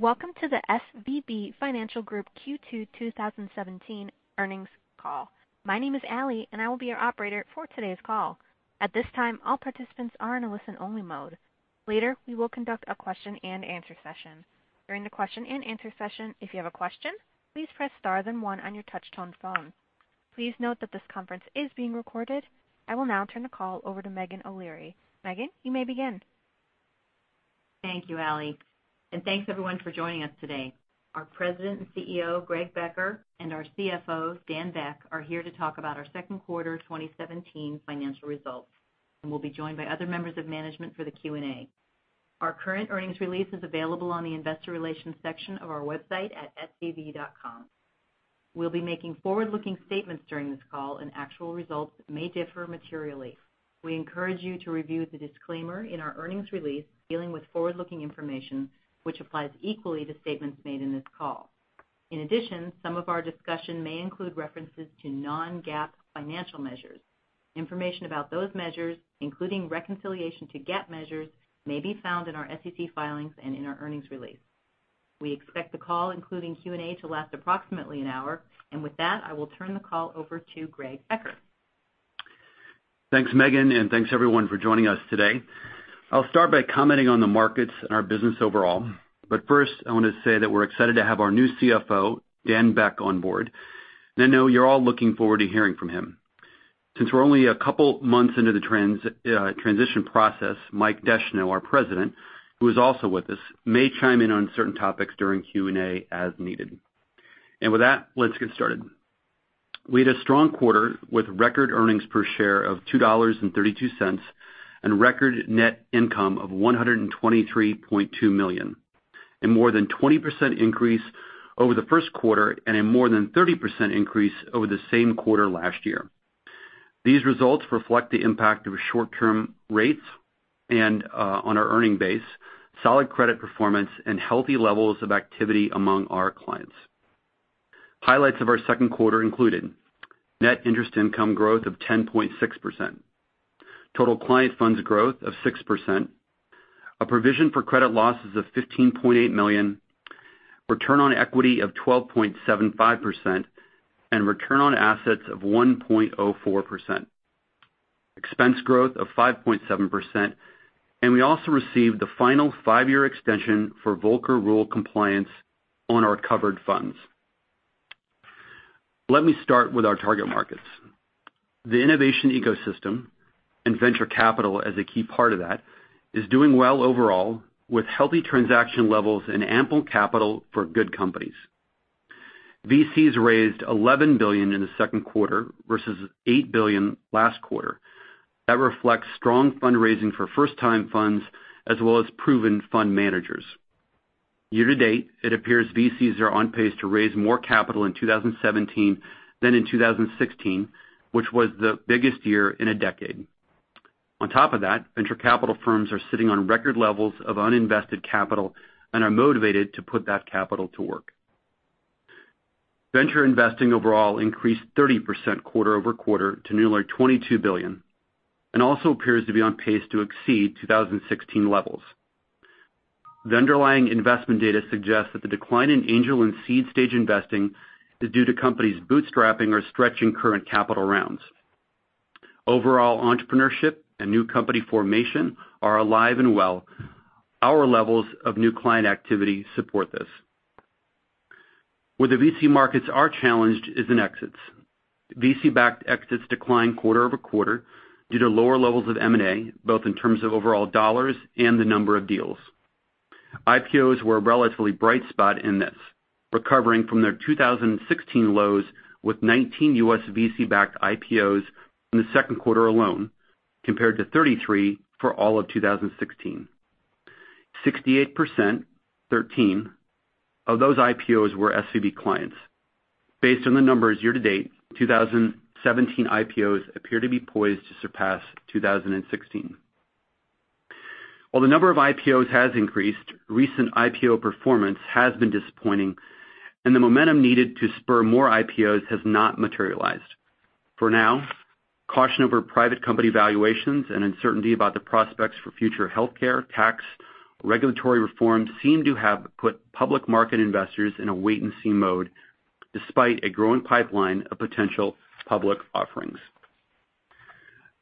Welcome to the SVB Financial Group Q2 2017 earnings call. My name is Allie, and I will be your operator for today's call. At this time, all participants are in a listen-only mode. Later, we will conduct a question and answer session. During the question and answer session, if you have a question, please press star then one on your touch-tone phone. Please note that this conference is being recorded. I will now turn the call over to Meghan O'Leary. Meghan, you may begin. Thank you, Allie, and thanks everyone for joining us today. Our President and CEO, Greg Becker, and our CFO, Daniel Beck, are here to talk about our second quarter 2017 financial results, and will be joined by other members of management for the Q&A. Our current earnings release is available on the investor relations section of our website at svb.com. We will be making forward-looking statements during this call, and actual results may differ materially. We encourage you to review the disclaimer in our earnings release dealing with forward-looking information, which applies equally to statements made in this call. In addition, some of our discussion may include references to non-GAAP financial measures. Information about those measures, including reconciliation to GAAP measures, may be found in our SEC filings and in our earnings release. We expect the call, including Q&A, to last approximately an hour, and with that, I will turn the call over to Greg Becker. Thanks, Meghan, and thanks everyone for joining us today. I will start by commenting on the markets and our business overall. First, I want to say that we are excited to have our new CFO, Daniel Beck, on board, and I know you are all looking forward to hearing from him. Since we are only a couple months into the transition process, Michael Descheneaux, our President, who is also with us, may chime in on certain topics during Q&A as needed. With that, let's get started. We had a strong quarter with record earnings per share of $2.32 and record net income of $123.2 million, a more than 20% increase over the first quarter and a more than 30% increase over the same quarter last year. These results reflect the impact of short-term rates on our earning base, solid credit performance, and healthy levels of activity among our clients. Highlights of our second quarter included net interest income growth of 10.6%, total client funds growth of 6%, a provision for credit losses of $15.8 million, return on equity of 12.75%, and return on assets of 1.04%. Expense growth of 5.7%. We also received the final five-year extension for Volcker Rule compliance on our covered funds. Let me start with our target markets. The innovation ecosystem and venture capital as a key part of that is doing well overall, with healthy transaction levels and ample capital for good companies. VCs raised $11 billion in the second quarter versus $8 billion last quarter. That reflects strong fundraising for first-time funds as well as proven fund managers. Year to date, it appears VCs are on pace to raise more capital in 2017 than in 2016, which was the biggest year in a decade. On top of that, venture capital firms are sitting on record levels of uninvested capital and are motivated to put that capital to work. Venture investing overall increased 30% quarter-over-quarter to nearly $22 billion and also appears to be on pace to exceed 2016 levels. The underlying investment data suggests that the decline in angel and seed-stage investing is due to companies bootstrapping or stretching current capital rounds. Overall entrepreneurship and new company formation are alive and well. Our levels of new client activity support this. Where the VC markets are challenged is in exits. VC-backed exits declined quarter-over-quarter due to lower levels of M&A, both in terms of overall dollars and the number of deals. IPOs were a relatively bright spot in this, recovering from their 2016 lows with 19 U.S. VC-backed IPOs in the second quarter alone, compared to 33 for all of 2016. 68%, 13 of those IPOs were SVB clients. Based on the numbers year to date, 2017 IPOs appear to be poised to surpass 2016. While the number of IPOs has increased, recent IPO performance has been disappointing. The momentum needed to spur more IPOs has not materialized. For now, caution over private company valuations and uncertainty about the prospects for future healthcare, tax, regulatory reform seem to have put public market investors in a wait-and-see mode despite a growing pipeline of potential public offerings.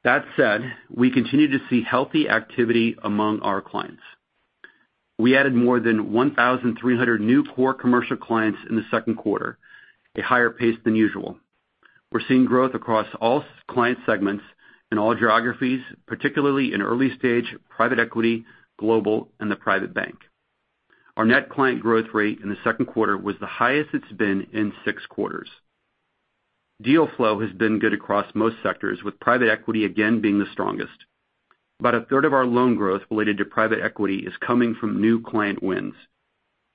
That said, we continue to see healthy activity among our clients. We added more than 1,300 new core commercial clients in the second quarter, a higher pace than usual. We're seeing growth across all client segments in all geographies, particularly in early-stage, private equity, global, and the private bank. Our net client growth rate in the second quarter was the highest it's been in six quarters. Deal flow has been good across most sectors, with private equity again being the strongest. About a third of our loan growth related to private equity is coming from new client wins.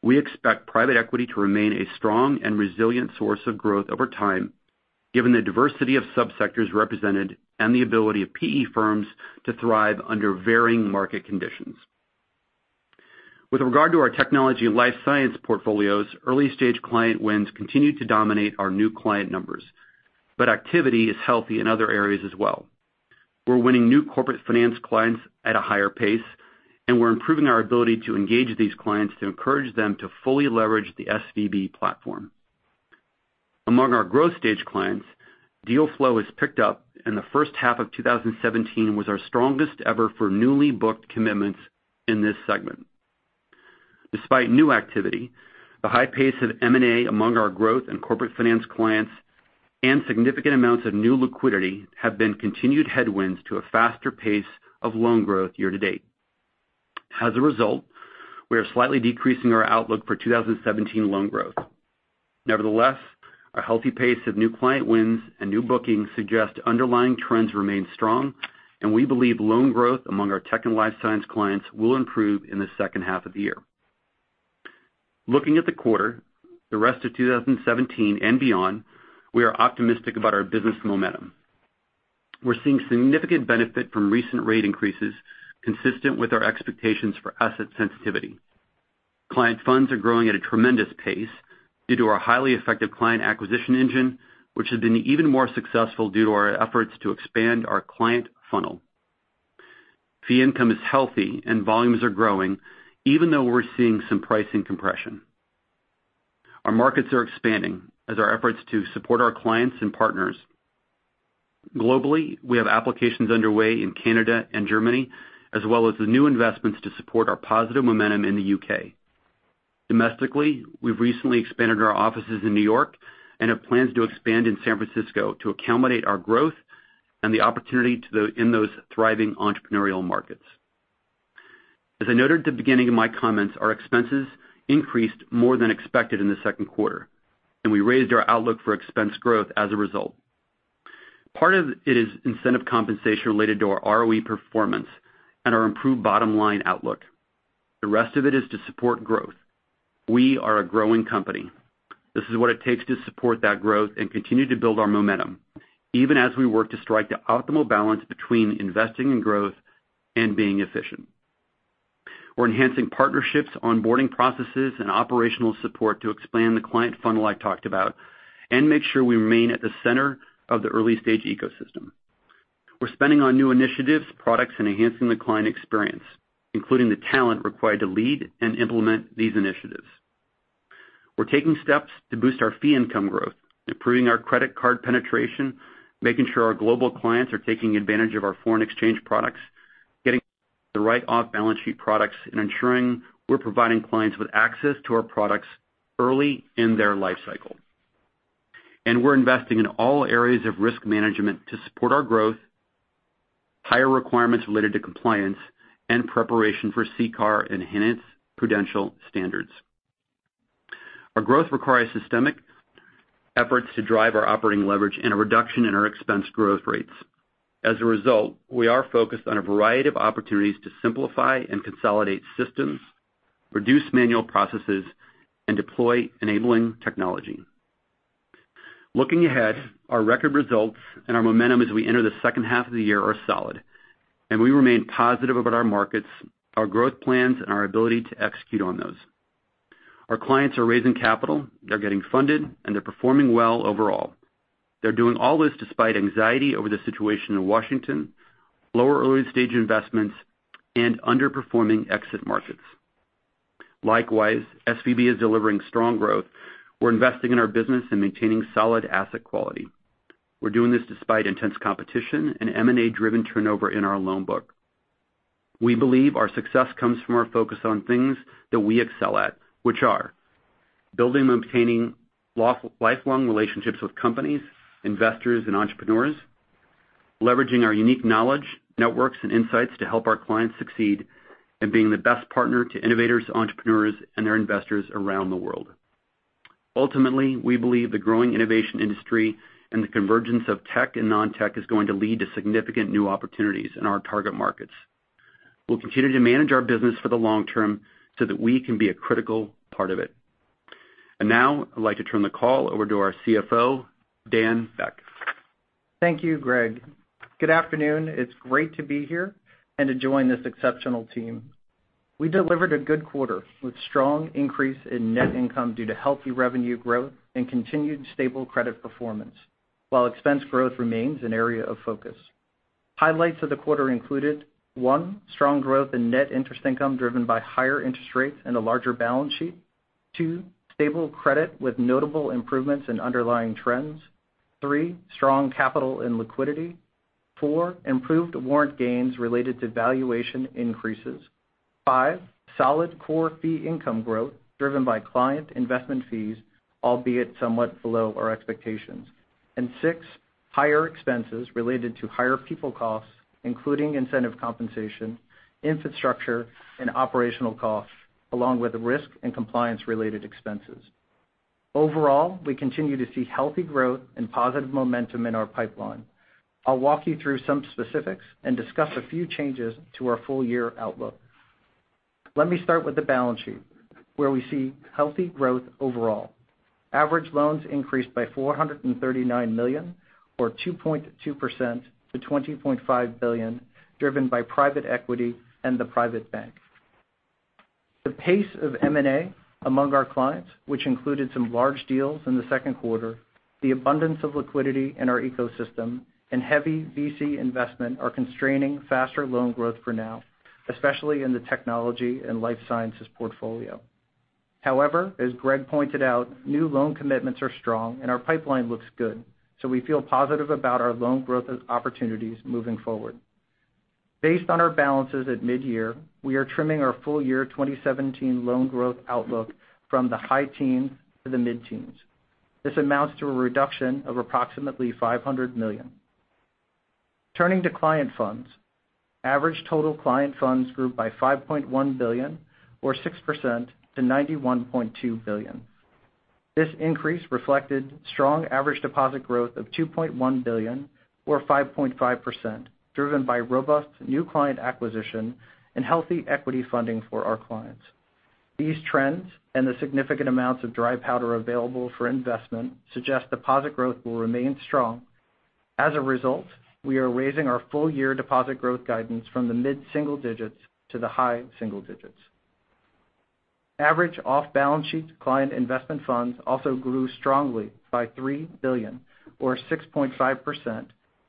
We expect private equity to remain a strong and resilient source of growth over time given the diversity of subsectors represented and the ability of PE firms to thrive under varying market conditions. With regard to our technology and life science portfolios, early-stage client wins continue to dominate our new client numbers, but activity is healthy in other areas as well. We're winning new corporate finance clients at a higher pace, and we're improving our ability to engage these clients to encourage them to fully leverage the SVB platform. Among our growth stage clients, deal flow has picked up. The first half of 2017 was our strongest ever for newly booked commitments in this segment. Despite new activity, the high pace of M&A among our growth and corporate finance clients significant amounts of new liquidity have been continued headwinds to a faster pace of loan growth year-to-date. As a result, we are slightly decreasing our outlook for 2017 loan growth. Nevertheless, a healthy pace of new client wins new bookings suggest underlying trends remain strong. We believe loan growth among our tech life science clients will improve in the second half of the year. Looking at the quarter, the rest of 2017 beyond, we are optimistic about our business momentum. We're seeing significant benefit from recent rate increases consistent with our expectations for asset sensitivity. Client funds are growing at a tremendous pace due to our highly effective client acquisition engine, which has been even more successful due to our efforts to expand our client funnel. Fee income is healthy. Volumes are growing even though we're seeing some pricing compression. Our markets are expanding as our efforts to support our clients partners. Globally, we have applications underway in Canada Germany, as well as the new investments to support our positive momentum in the U.K. Domestically, we've recently expanded our offices in N.Y. have plans to expand in San Francisco to accommodate our growth the opportunity in those thriving entrepreneurial markets. As I noted at the beginning of my comments, our expenses increased more than expected in the second quarter. We raised our outlook for expense growth as a result. Part of it is incentive compensation related to our ROE performance our improved bottom-line outlook. The rest of it is to support growth. We are a growing company. This is what it takes to support that growth continue to build our momentum, even as we work to strike the optimal balance between investing in growth being efficient. We're enhancing partnerships, onboarding processes, operational support to expand the client funnel I talked about make sure we remain at the center of the early-stage ecosystem. We're spending on new initiatives, products, enhancing the client experience, including the talent required to lead implement these initiatives. We're taking steps to boost our fee income growth, improving our credit card penetration, making sure our global clients are taking advantage of our foreign exchange products, getting the right off-balance-sheet products, ensuring we're providing clients with access to our products early in their life cycle. We're investing in all areas of risk management to support our growth, higher requirements related to compliance, preparation for CCAR enhanced prudential standards. Our growth requires systemic efforts to drive our operating leverage a reduction in our expense growth rates. As a result, we are focused on a variety of opportunities to simplify consolidate systems, reduce manual processes, deploy enabling technology. Looking ahead, our record results our momentum as we enter the second half of the year are solid. We remain positive about our markets, our growth plans, our ability to execute on those. Our clients are raising capital, they're getting funded, and they're performing well overall. They're doing all this despite anxiety over the situation in Washington, lower early-stage investments, and underperforming exit markets. Likewise, SVB is delivering strong growth. We're investing in our business and maintaining solid asset quality. We're doing this despite intense competition and M&A-driven turnover in our loan book. We believe our success comes from our focus on things that we excel at, which are building and obtaining lifelong relationships with companies, investors, and entrepreneurs, leveraging our unique knowledge, networks, and insights to help our clients succeed, and being the best partner to innovators, entrepreneurs, and their investors around the world. Ultimately, we believe the growing innovation industry and the convergence of tech and non-tech is going to lead to significant new opportunities in our target markets. Now, I'd like to turn the call over to our CFO, Daniel Beck. Thank you, Greg. Good afternoon. It's great to be here and to join this exceptional team. We delivered a good quarter with strong increase in net income due to healthy revenue growth and continued stable credit performance, while expense growth remains an area of focus. Highlights of the quarter included, one, strong growth in net interest income driven by higher interest rates and a larger balance sheet. Two, stable credit with notable improvements in underlying trends. Three, strong capital and liquidity. Four, improved warrant gains related to valuation increases. Five, solid core fee income growth driven by client investment fees, albeit somewhat below our expectations. Six, higher expenses related to higher people costs, including incentive compensation, infrastructure, and operational costs, along with risk and compliance-related expenses. Overall, we continue to see healthy growth and positive momentum in our pipeline. I'll walk you through some specifics and discuss a few changes to our full-year outlook. Let me start with the balance sheet, where we see healthy growth overall. Average loans increased by $439 million, or 2.2% to $20.5 billion, driven by private equity and the private bank. The pace of M&A among our clients, which included some large deals in the second quarter, the abundance of liquidity in our ecosystem, and heavy VC investment are constraining faster loan growth for now, especially in the technology and life sciences portfolio. However, as Greg pointed out, new loan commitments are strong and our pipeline looks good, so we feel positive about our loan growth opportunities moving forward. Based on our balances at mid-year, we are trimming our full-year 2017 loan growth outlook from the high teens to the mid-teens. This amounts to a reduction of approximately $500 million. Turning to client funds, average total client funds grew by $5.1 billion or 6% to $91.2 billion. This increase reflected strong average deposit growth of $2.1 billion or 5.5%, driven by robust new client acquisition and healthy equity funding for our clients. These trends and the significant amounts of dry powder available for investment suggest deposit growth will remain strong. As a result, we are raising our full-year deposit growth guidance from the mid-single digits to the high single digits. Average off-balance sheet client investment funds also grew strongly by $3 billion or 6.5%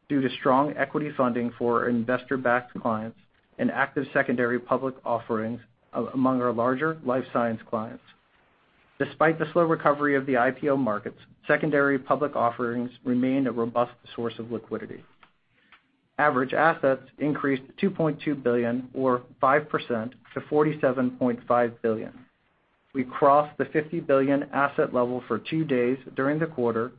due to strong equity funding for investor-backed clients and active secondary public offerings among our larger life science clients. Despite the slow recovery of the IPO markets, secondary public offerings remain a robust source of liquidity. Average assets increased $2.2 billion or 5% to $47.5 billion. We crossed the $50 billion asset level for two days during the quarter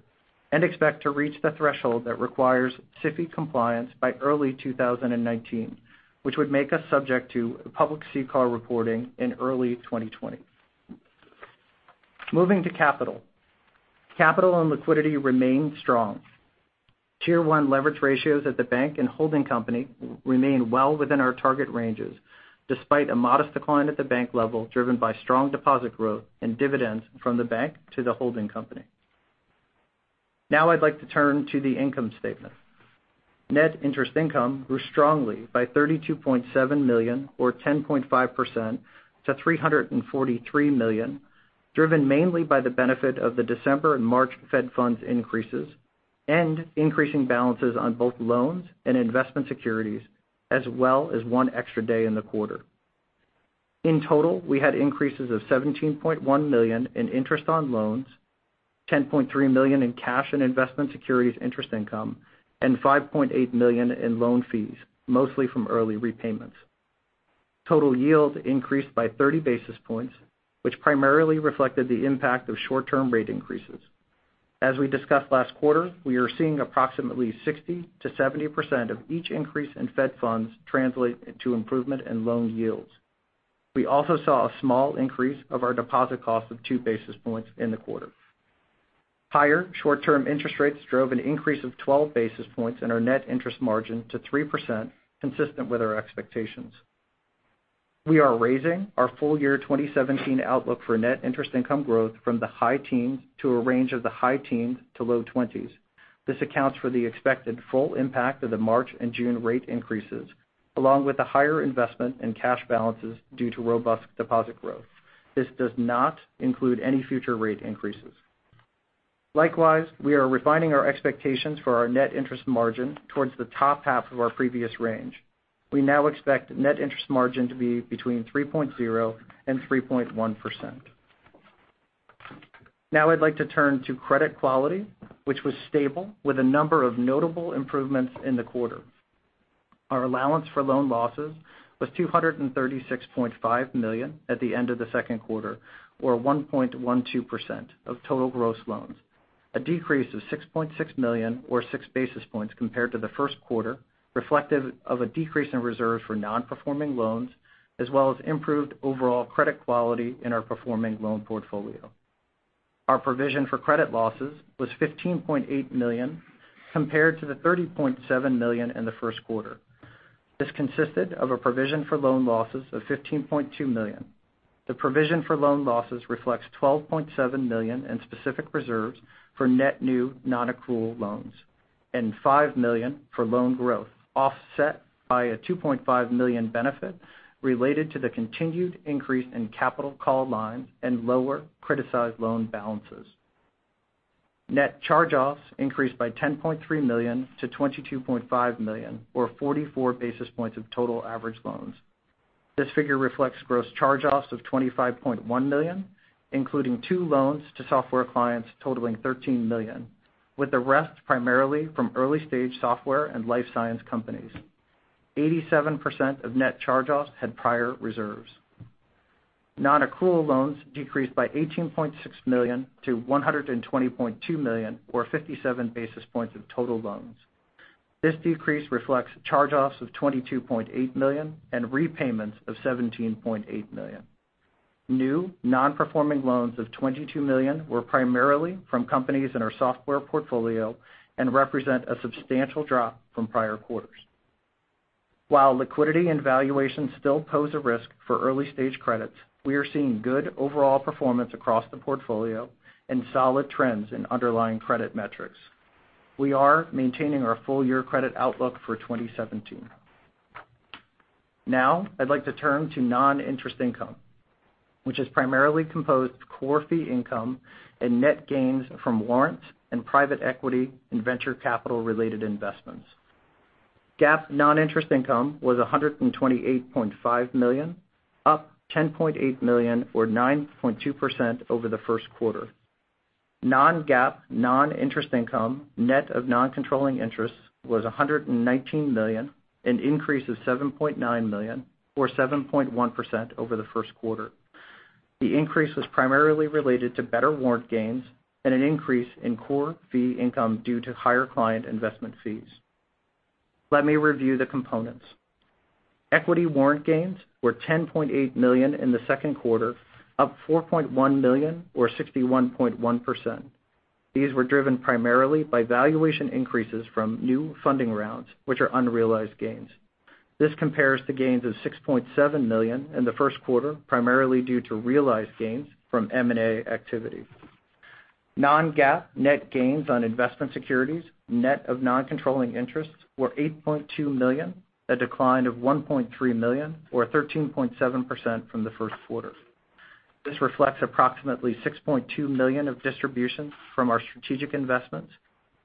and expect to reach the threshold that requires SIFI compliance by early 2019, which would make us subject to public CCAR reporting in early 2020. Moving to capital. Capital and liquidity remain strong. Tier 1 leverage ratios at the bank and holding company remain well within our target ranges, despite a modest decline at the bank level, driven by strong deposit growth and dividends from the bank to the holding company. Now I'd like to turn to the income statement. Net interest income grew strongly by $32.7 million or 10.5% to $343 million, driven mainly by the benefit of the December and March Fed funds increases and increasing balances on both loans and investment securities, as well as one extra day in the quarter. In total, we had increases of $17.1 million in interest on loans, $10.3 million in cash and investment securities interest income, and $5.8 million in loan fees, mostly from early repayments. Total yield increased by 30 basis points, which primarily reflected the impact of short-term rate increases. As we discussed last quarter, we are seeing approximately 60%-70% of each increase in Fed funds translate into improvement in loan yields. We also saw a small increase of our deposit cost of two basis points in the quarter. Higher short-term interest rates drove an increase of 12 basis points in our net interest margin to 3%, consistent with our expectations. We are raising our full-year 2017 outlook for net interest income growth from the high teens to a range of the high teens to low twenties. This accounts for the expected full impact of the March and June rate increases, along with the higher investment in cash balances due to robust deposit growth. This does not include any future rate increases. Likewise, we are refining our expectations for our net interest margin towards the top half of our previous range. We now expect net interest margin to be between 3.0% and 3.1%. Now I'd like to turn to credit quality, which was stable with a number of notable improvements in the quarter. Our allowance for loan losses was $236.5 million at the end of the second quarter or 1.12% of total gross loans, a decrease of $6.6 million or six basis points compared to the first quarter, reflective of a decrease in reserves for non-performing loans, as well as improved overall credit quality in our performing loan portfolio. Our provision for credit losses was $15.8 million compared to the $30.7 million in the first quarter. This consisted of a provision for loan losses of $15.2 million. The provision for loan losses reflects $12.7 million in specific reserves for net new non-accrual loans and $5 million for loan growth, offset by a $2.5 million benefit related to the continued increase in capital call lines and lower criticized loan balances. Net charge-offs increased by $10.3 million to $22.5 million or 44 basis points of total average loans. This figure reflects gross charge-offs of $25.1 million, including two loans to software clients totaling $13 million, with the rest primarily from early-stage software and life science companies. 87% of net charge-offs had prior reserves. Non-accrual loans decreased by $18.6 million to $120.2 million or 57 basis points of total loans. This decrease reflects charge-offs of $22.8 million and repayments of $17.8 million. New non-performing loans of $22 million were primarily from companies in our software portfolio and represent a substantial drop from prior quarters. While liquidity and valuation still pose a risk for early-stage credits, we are seeing good overall performance across the portfolio and solid trends in underlying credit metrics. We are maintaining our full-year credit outlook for 2017. I'd like to turn to non-interest income, which is primarily composed of core fee income and net gains from warrants and private equity in venture capital-related investments. GAAP non-interest income was $128.5 million, up $10.8 million or 9.2% over the first quarter. Non-GAAP non-interest income, net of non-controlling interests was $119 million, an increase of $7.9 million or 7.1% over the first quarter. The increase was primarily related to better warrant gains and an increase in core fee income due to higher client investment fees. Let me review the components. Equity warrant gains were $10.8 million in the second quarter, up $4.1 million or 61.1%. These were driven primarily by valuation increases from new funding rounds, which are unrealized gains. This compares to gains of $6.7 million in the first quarter, primarily due to realized gains from M&A activity. Non-GAAP net gains on investment securities, net of non-controlling interests were $8.2 million, a decline of $1.3 million or 13.7% from the first quarter. This reflects approximately $6.2 million of distributions from our strategic investments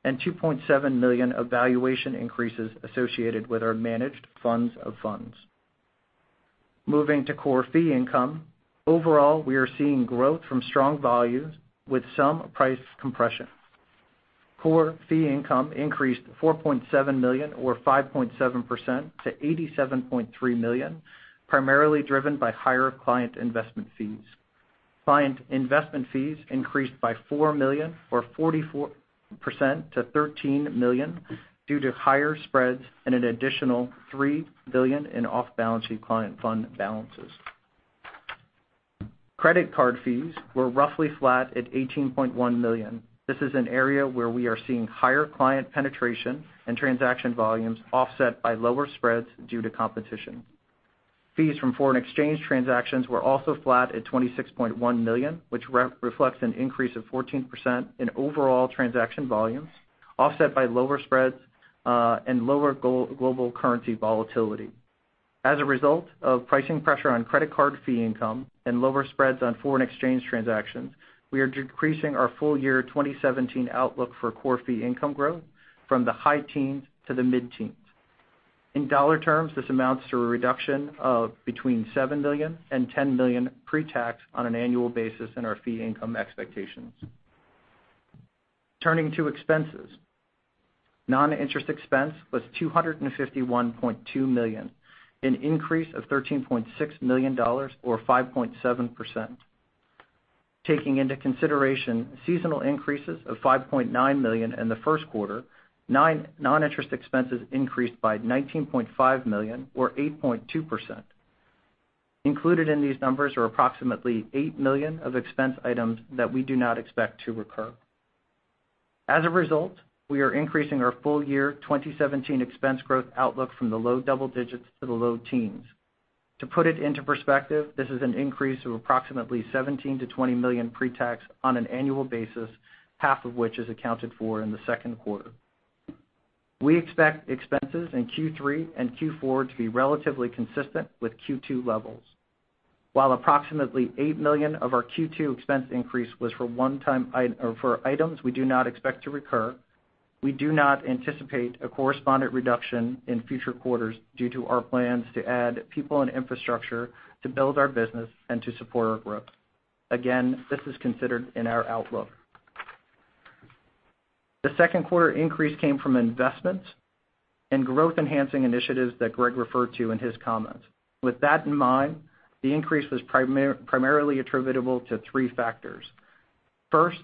and $2.7 million of valuation increases associated with our managed funds of funds. Moving to core fee income. Overall, we are seeing growth from strong volumes with some price compression. Core fee income increased $4.7 million or 5.7% to $87.3 million, primarily driven by higher client investment fees. Client investment fees increased by $4 million or 44% to $13 million due to higher spreads and an additional $3 billion in off-balance sheet client fund balances. Credit card fees were roughly flat at $18.1 million. This is an area where we are seeing higher client penetration and transaction volumes offset by lower spreads due to competition. Fees from foreign exchange transactions were also flat at $26.1 million, which reflects an increase of 14% in overall transaction volumes, offset by lower spreads, and lower global currency volatility. As a result of pricing pressure on credit card fee income and lower spreads on foreign exchange transactions, we are decreasing our full year 2017 outlook for core fee income growth from the high teens to the mid-teens. In dollar terms, this amounts to a reduction of between $7 million and $10 million pre-tax on an annual basis in our fee income expectations. Turning to expenses. Non-interest expense was $251.2 million, an increase of $13.6 million or 5.7%. Taking into consideration seasonal increases of $5.9 million in the first quarter, non-interest expenses increased by $19.5 million or 8.2%. Included in these numbers are approximately $8 million of expense items that we do not expect to recur. As a result, we are increasing our full year 2017 expense growth outlook from the low double digits to the low teens. To put it into perspective, this is an increase of approximately $17 million-$20 million pre-tax on an annual basis, half of which is accounted for in the second quarter. We expect expenses in Q3 and Q4 to be relatively consistent with Q2 levels. While approximately $8 million of our Q2 expense increase was for items we do not expect to recur, we do not anticipate a correspondent reduction in future quarters due to our plans to add people and infrastructure to build our business and to support our growth. Again, this is considered in our outlook. The second quarter increase came from investments and growth-enhancing initiatives that Greg referred to in his comments. With that in mind, the increase was primarily attributable to three factors. First,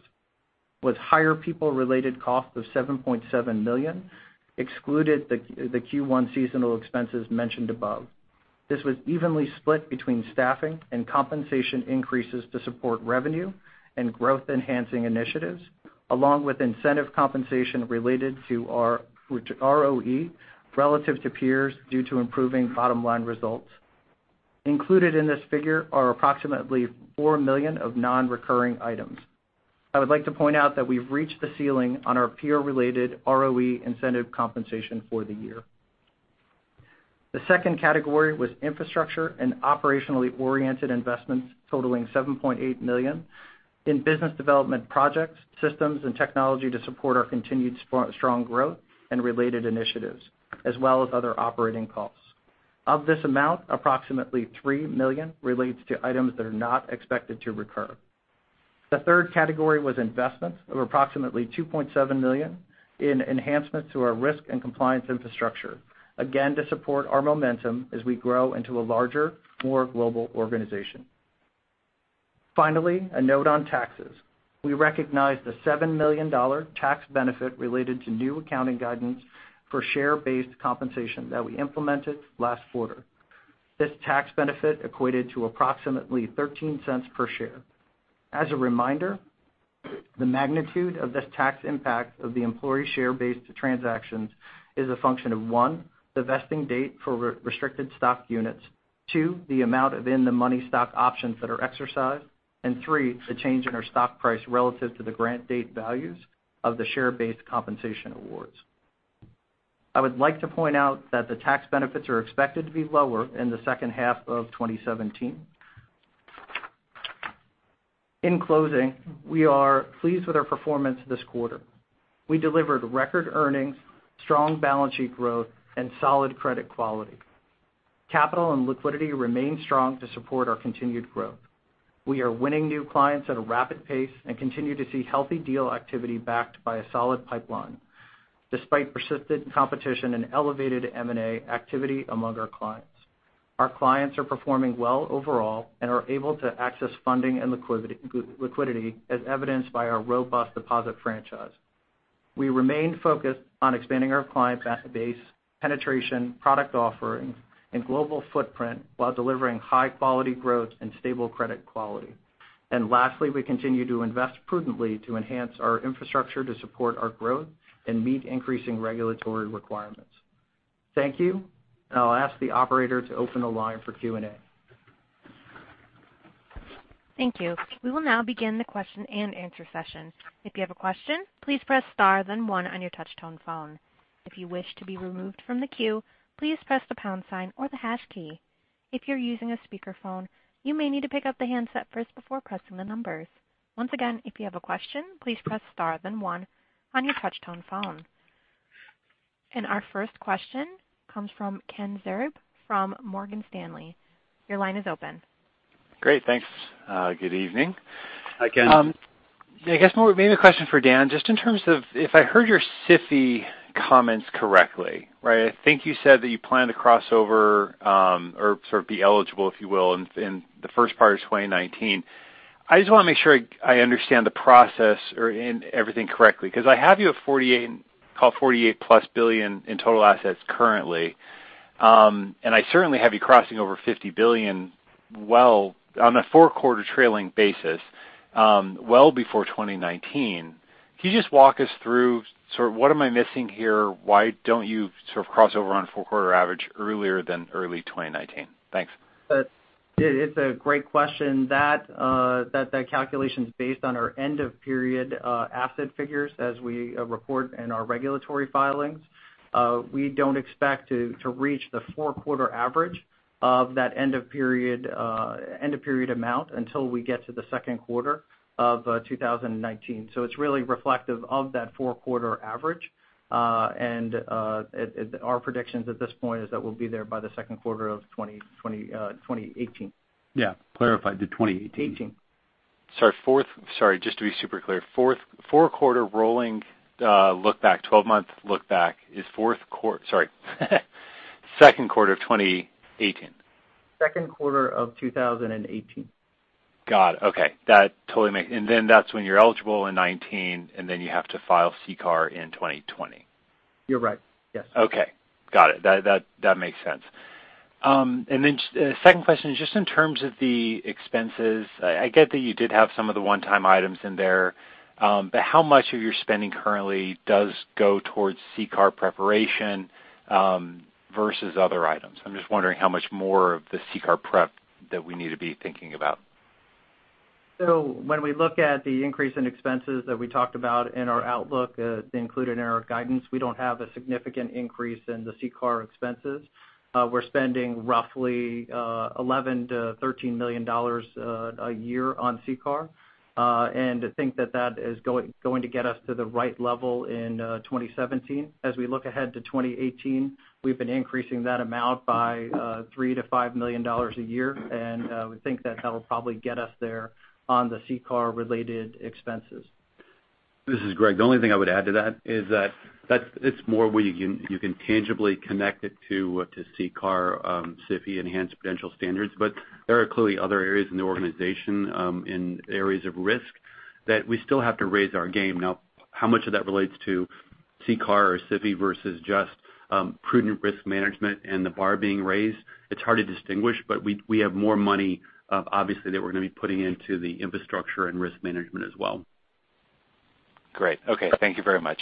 was higher people-related costs of $7.7 million, excluded the Q1 seasonal expenses mentioned above. This was evenly split between staffing and compensation increases to support revenue and growth-enhancing initiatives, along with incentive compensation related to our ROE relative to peers due to improving bottom-line results. Included in this figure are approximately $4 million of non-recurring items. I would like to point out that we've reached the ceiling on our peer-related ROE incentive compensation for the year. The second category was infrastructure and operationally oriented investments totaling $7.8 million in business development projects, systems, and technology to support our continued strong growth and related initiatives, as well as other operating costs. Of this amount, approximately $3 million relates to items that are not expected to recur. The third category was investments of approximately $2.7 million in enhancements to our risk and compliance infrastructure, again, to support our momentum as we grow into a larger, more global organization. Finally, a note on taxes. We recognized a $7 million tax benefit related to new accounting guidance for share-based compensation that we implemented last quarter. This tax benefit equated to approximately $0.13 per share. As a reminder, the magnitude of this tax impact of the employee share-based transactions is a function of one, the vesting date for restricted stock units, Two, the amount of in-the-money stock options that are exercised, and three, the change in our stock price relative to the grant date values of the share-based compensation awards. I would like to point out that the tax benefits are expected to be lower in the second half of 2017. In closing, we are pleased with our performance this quarter. We delivered record earnings, strong balance sheet growth, and solid credit quality. Capital and liquidity remain strong to support our continued growth. We are winning new clients at a rapid pace and continue to see healthy deal activity backed by a solid pipeline despite persistent competition and elevated M&A activity among our clients. Our clients are performing well overall and are able to access funding and liquidity as evidenced by our robust deposit franchise. We remain focused on expanding our client base, penetration, product offerings, and global footprint while delivering high-quality growth and stable credit quality. Lastly, we continue to invest prudently to enhance our infrastructure to support our growth and meet increasing regulatory requirements. Thank you. I'll ask the operator to open the line for Q&A. Thank you. We will now begin the question and answer session. If you have a question, please press star then one on your touch-tone phone. If you wish to be removed from the queue, please press the pound sign or the hash key. If you're using a speakerphone, you may need to pick up the handset first before pressing the numbers. Once again, if you have a question, please press star then one on your touch-tone phone. Our first question comes from Kenneth Zerbe from Morgan Stanley. Your line is open. Great. Thanks. Good evening. Hi, Ken. I guess maybe a question for Dan, just in terms of if I heard your SIFI comments correctly, right? I think you said that you plan to cross over or sort of be eligible, if you will, in the first part of 2019. I just want to make sure I understand the process or everything correctly, because I have you at call it $48 billion-plus in total assets currently. I certainly have you crossing over $50 billion on a four-quarter trailing basis, well before 2019. Can you just walk us through sort of what am I missing here? Why don't you sort of cross over on a four-quarter average earlier than early 2019? Thanks. It's a great question. That calculation is based on our end-of-period asset figures as we report in our regulatory filings. We don't expect to reach the four-quarter average of that end-of-period amount until we get to the second quarter of 2019. It's really reflective of that four-quarter average. Our predictions at this point is that we'll be there by the second quarter of 2018. Yeah. Clarify. The 2018. '18. Sorry. Just to be super clear. Four-quarter rolling look-back, 12-month look-back is second quarter of 2018. Second quarter of 2018. Got it. Okay. That's when you're eligible in 2019, and then you have to file CCAR in 2020. You're right. Yes. Okay. Got it. That makes sense. Second question is just in terms of the expenses, I get that you did have some of the one-time items in there, but how much of your spending currently does go towards CCAR preparation versus other items? I'm just wondering how much more of the CCAR prep that we need to be thinking about. When we look at the increase in expenses that we talked about in our outlook included in our guidance, we don't have a significant increase in the CCAR expenses. We're spending roughly $11 million-$13 million a year on CCAR. Think that that is going to get us to the right level in 2017. As we look ahead to 2018, we've been increasing that amount by $3 million-$5 million a year, and we think that that'll probably get us there on the CCAR-related expenses. This is Greg. The only thing I would add to that is that it's more where you can tangibly connect it to CCAR SIFI enhanced prudential standards. There are clearly other areas in the organization, in areas of risk that we still have to raise our game. How much of that relates to CCAR or SIFI versus just prudent risk management and the bar being raised? It's hard to distinguish, we have more money obviously that we're going to be putting into the infrastructure and risk management as well. Great. Okay. Thank you very much.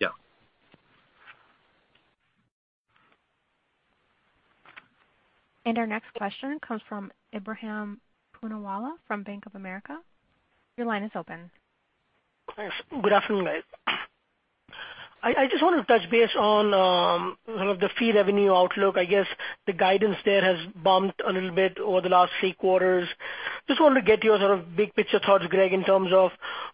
Yeah. Our next question comes from Ebrahim Poonawala from Bank of America. Your line is open. Yes. Good afternoon, guys. I just wanted to touch base on sort of the fee revenue outlook. I guess the guidance there has bumped a little bit over the last 3 quarters. Just wanted to get your sort of big-picture thoughts, Greg, in terms of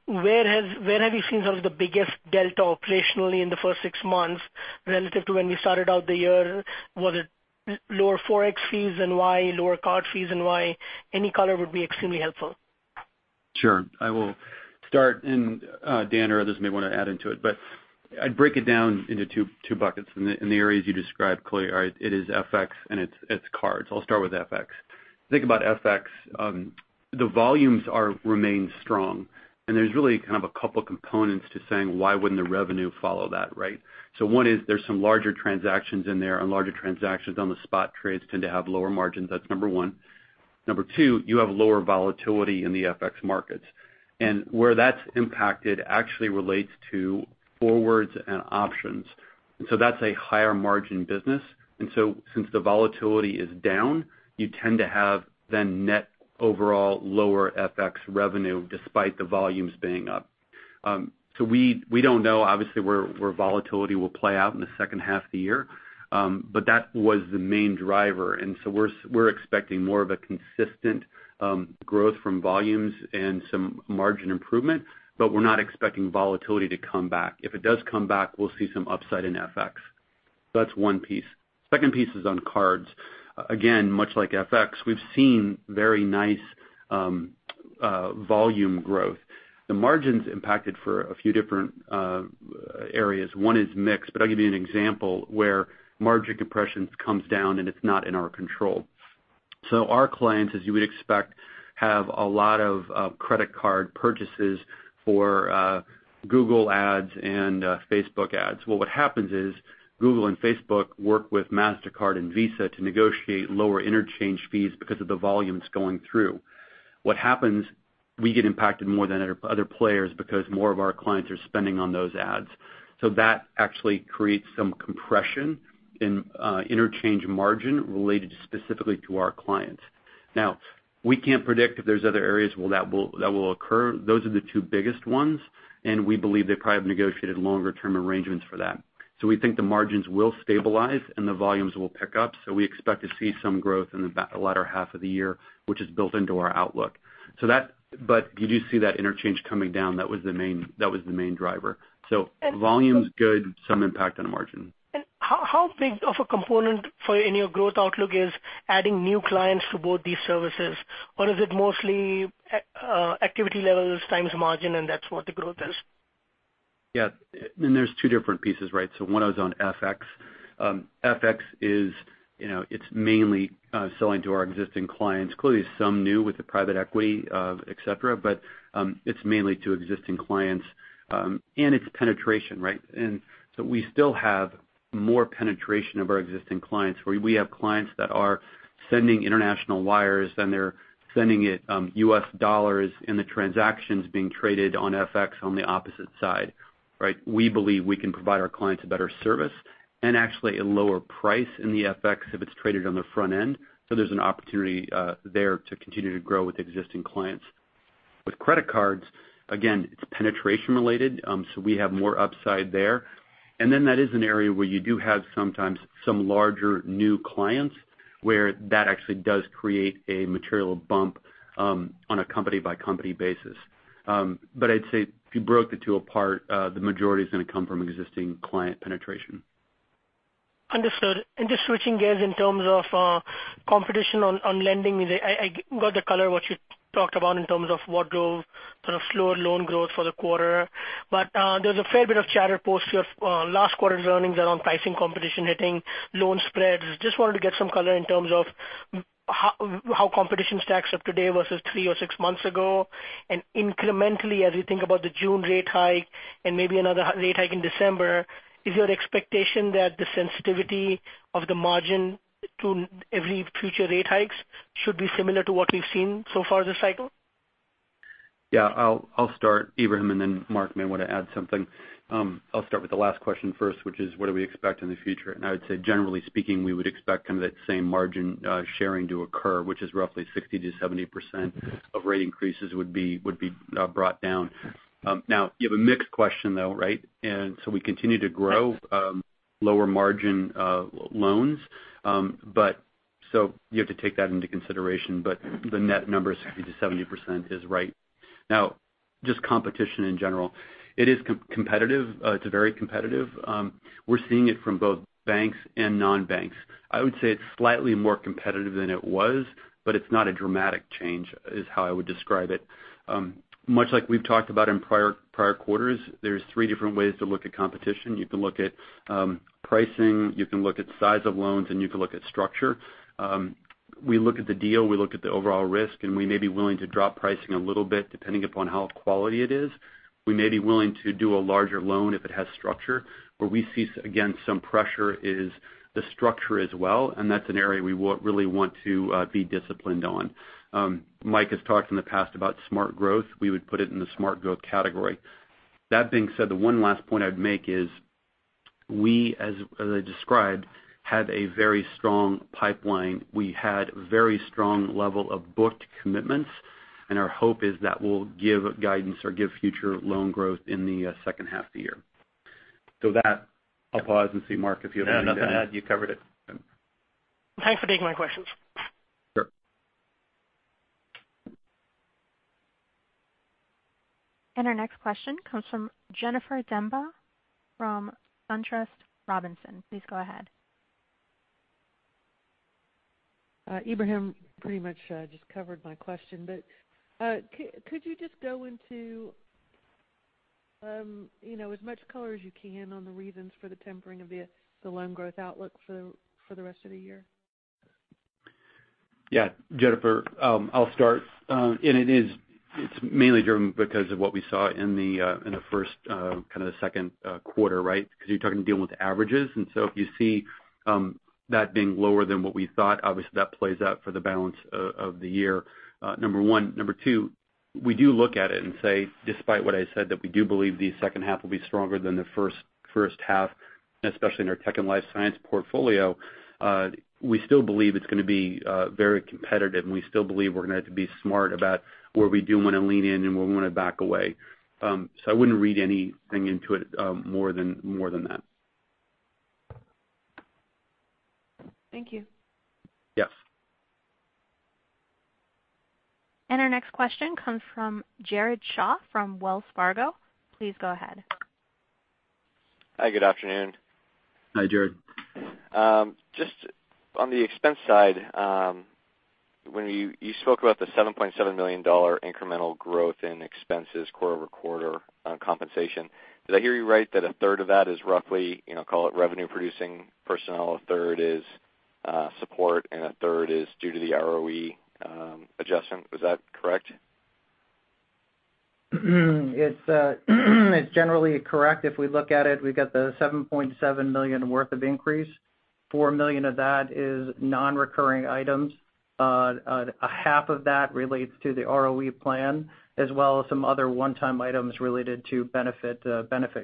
where have you seen some of the biggest delta operationally in the first 6 months relative to when you started out the year? Was it lower forex fees, and why? Lower card fees, and why? Any color would be extremely helpful. Sure. I will start. Dan or others may want to add into it. I'd break it down into 2 buckets in the areas you described clearly are it is FX and it's cards. I'll start with FX. Think about FX. The volumes remain strong. There's really kind of a couple components to saying why wouldn't the revenue follow that, right? 1 is there's some larger transactions in there. Larger transactions on the spot trades tend to have lower margins. That's number 1. Number 2, you have lower volatility in the FX markets. Where that's impacted actually relates to forwards and options. That's a higher margin business. Since the volatility is down, you tend to have then net overall lower FX revenue despite the volumes being up. We don't know, obviously, where volatility will play out in the second half of the year. That was the main driver. We're expecting more of a consistent growth from volumes and some margin improvement. We're not expecting volatility to come back. If it does come back, we'll see some upside in FX. That's 1 piece. Second piece is on cards. Again, much like FX, we've seen very nice volume growth. The margin's impacted for a few different areas. 1 is mix. I'll give you an example where margin compression comes down and it's not in our control. Our clients, as you would expect, have a lot of credit card purchases for Google ads and Facebook ads. What happens is Google and Facebook work with Mastercard and Visa to negotiate lower interchange fees because of the volumes going through. What happens, we get impacted more than other players because more of our clients are spending on those ads. That actually creates some compression in interchange margin related specifically to our clients. We can't predict if there's other areas that will occur. Those are the 2 biggest ones. We believe they probably have negotiated longer-term arrangements for that. We think the margins will stabilize and the volumes will pick up, we expect to see some growth in the latter half of the year, which is built into our outlook. You do see that interchange coming down. That was the main driver. Volume's good, some impact on margin. How big of a component in your growth outlook is adding new clients to both these services? Is it mostly activity levels times margin, and that's what the growth is? Yeah. There's two different pieces, right? One was on FX. FX is mainly selling to our existing clients. Clearly, some new with the private equity, et cetera, but it's mainly to existing clients, and it's penetration, right? We still have more penetration of our existing clients, where we have clients that are sending international wires and they're sending it U.S. dollars, and the transaction's being traded on FX on the opposite side, right? We believe we can provide our clients a better service and actually a lower price in the FX if it's traded on the front end. There's an opportunity there to continue to grow with existing clients. With credit cards, again, it's penetration related, we have more upside there. That is an area where you do have sometimes some larger new clients where that actually does create a material bump on a company-by-company basis. I'd say if you broke the two apart, the majority is going to come from existing client penetration. Understood. Just switching gears in terms of competition on lending. I got the color, what you talked about in terms of what drove kind of slower loan growth for the quarter. There was a fair bit of chatter post your last quarter's earnings around pricing competition hitting loan spreads. Just wanted to get some color in terms of how competition stacks up today versus three or six months ago. Incrementally, as you think about the June rate hike and maybe another rate hike in December, is your expectation that the sensitivity of the margin to every future rate hikes should be similar to what we've seen so far this cycle? Yeah. I'll start, Ebrahim, and then Marc may want to add something. I'll start with the last question first, which is what do we expect in the future? I would say, generally speaking, we would expect kind of that same margin sharing to occur, which is roughly 60%-70% of rate increases would be brought down. You have a mixed question, though, right? We continue to grow lower margin loans. You have to take that into consideration. The net number, 60%-70%, is right. Just competition in general. It is competitive. It's very competitive. We're seeing it from both banks and non-banks. I would say it's slightly more competitive than it was, but it's not a dramatic change is how I would describe it. Much like we've talked about in prior quarters, there's three different ways to look at competition. You can look at pricing, you can look at size of loans, you can look at structure. We look at the deal, we look at the overall risk, we may be willing to drop pricing a little bit depending upon how quality it is. We may be willing to do a larger loan if it has structure. Where we see, again, some pressure is the structure as well, and that's an area we really want to be disciplined on. Michael has talked in the past about smart growth. We would put it in the smart growth category. That being said, the one last point I'd make is we, as I described, have a very strong pipeline. We had very strong level of booked commitments, our hope is that will give guidance or give future loan growth in the second half of the year. That, I'll pause and see, Marc, if you have anything to add. No, nothing to add. You covered it. Yeah. Thanks for taking my questions. Sure. Our next question comes from Jennifer Demba from SunTrust Robinson. Please go ahead. Ebrahim pretty much just covered my question. Could you just go into as much color as you can on the reasons for the tempering of the loan growth outlook for the rest of the year? Yeah. Jennifer, I'll start. It's mainly driven because of what we saw in the first, kind of the second quarter, right? You're talking dealing with averages. If you see that being lower than what we thought, obviously that plays out for the balance of the year, number one. Number two, we do look at it and say, despite what I said, that we do believe the second half will be stronger than the first half, especially in our tech and life science portfolio. We still believe it's going to be very competitive, and we still believe we're going to have to be smart about where we do want to lean in and where we want to back away. I wouldn't read anything into it more than that. Thank you. Yes. Our next question comes from Jared Shaw from Wells Fargo. Please go ahead. Hi, good afternoon. Hi, Jared. Just on the expense side, when you spoke about the $7.7 million incremental growth in expenses quarter-over-quarter on compensation, did I hear you right that a third of that is roughly, call it revenue producing personnel, a third is support and a third is due to the ROE adjustment? Was that correct? It's generally correct. If we look at it, we've got the $7.7 million worth of increase. $4 million of that is non-recurring items. A half of that relates to the ROE plan, as well as some other one-time items related to benefit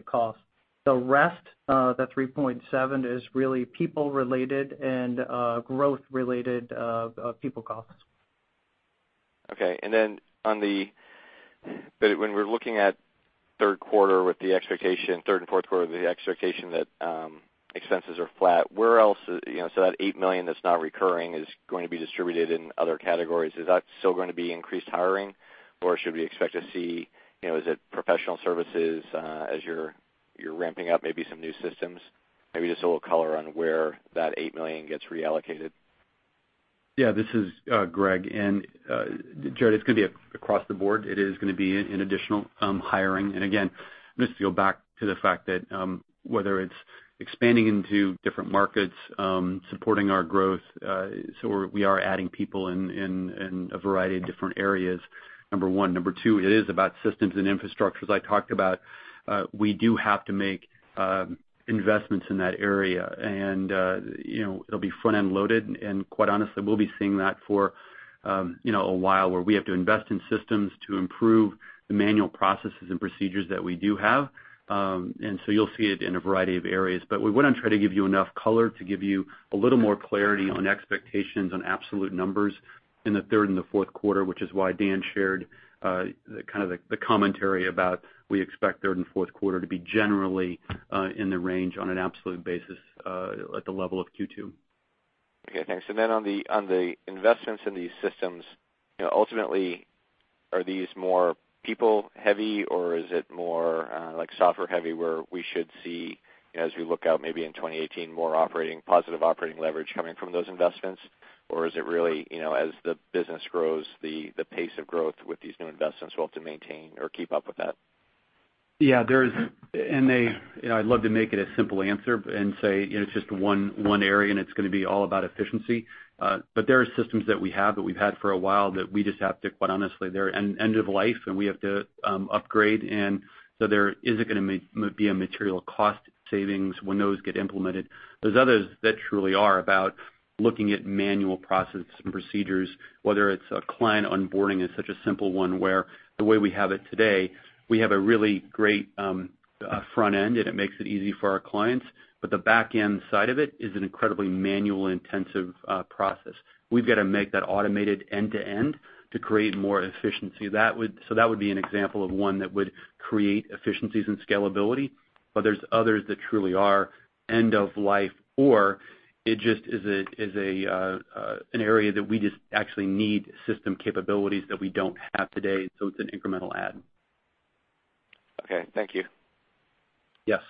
costs. The rest, the $3.7 million, is really people related and growth related people costs. Okay, when we're looking at third quarter with the expectation, third and fourth quarter, the expectation that expenses are flat, so that $8 million that's not recurring is going to be distributed in other categories. Is that still going to be increased hiring, or should we expect to see, is it professional services as you're ramping up maybe some new systems? Maybe just a little color on where that $8 million gets reallocated. Yeah, this is Greg. Jared, it's going to be across the board. It is going to be an additional hiring. Again, just to go back to the fact that whether it's expanding into different markets, supporting our growth, so we are adding people in a variety of different areas, number one. Number two, it is about systems and infrastructure. As I talked about, we do have to make investments in that area. It'll be front-end loaded, and quite honestly, we'll be seeing that for a while, where we have to invest in systems to improve the manual processes and procedures that we do have. You'll see it in a variety of areas. We want to try to give you enough color to give you a little more clarity on expectations on absolute numbers in the third and the fourth quarter, which is why Dan shared kind of the commentary about we expect third and fourth quarter to be generally in the range on an absolute basis at the level of Q2. Okay, thanks. On the investments in these systems, ultimately, are these more people heavy or is it more software heavy, where we should see, as we look out maybe in 2018, more positive operating leverage coming from those investments? Is it really, as the business grows, the pace of growth with these new investments will have to maintain or keep up with that? Yeah. I'd love to make it a simple answer and say it's just one area and it's going to be all about efficiency. There are systems that we have that we've had for a while that we just have to, quite honestly, they're end of life and we have to upgrade. There isn't going to be a material cost savings when those get implemented. There's others that truly are about looking at manual process and procedures, whether it's a client onboarding is such a simple one where the way we have it today, we have a really great front end and it makes it easy for our clients. The back end side of it is an incredibly manual intensive process. We've got to make that automated end to end to create more efficiency. That would be an example of one that would create efficiencies and scalability. There's others that truly are end of life, or it just is an area that we just actually need system capabilities that we don't have today. It's an incremental add. Okay. Thank you. Yes.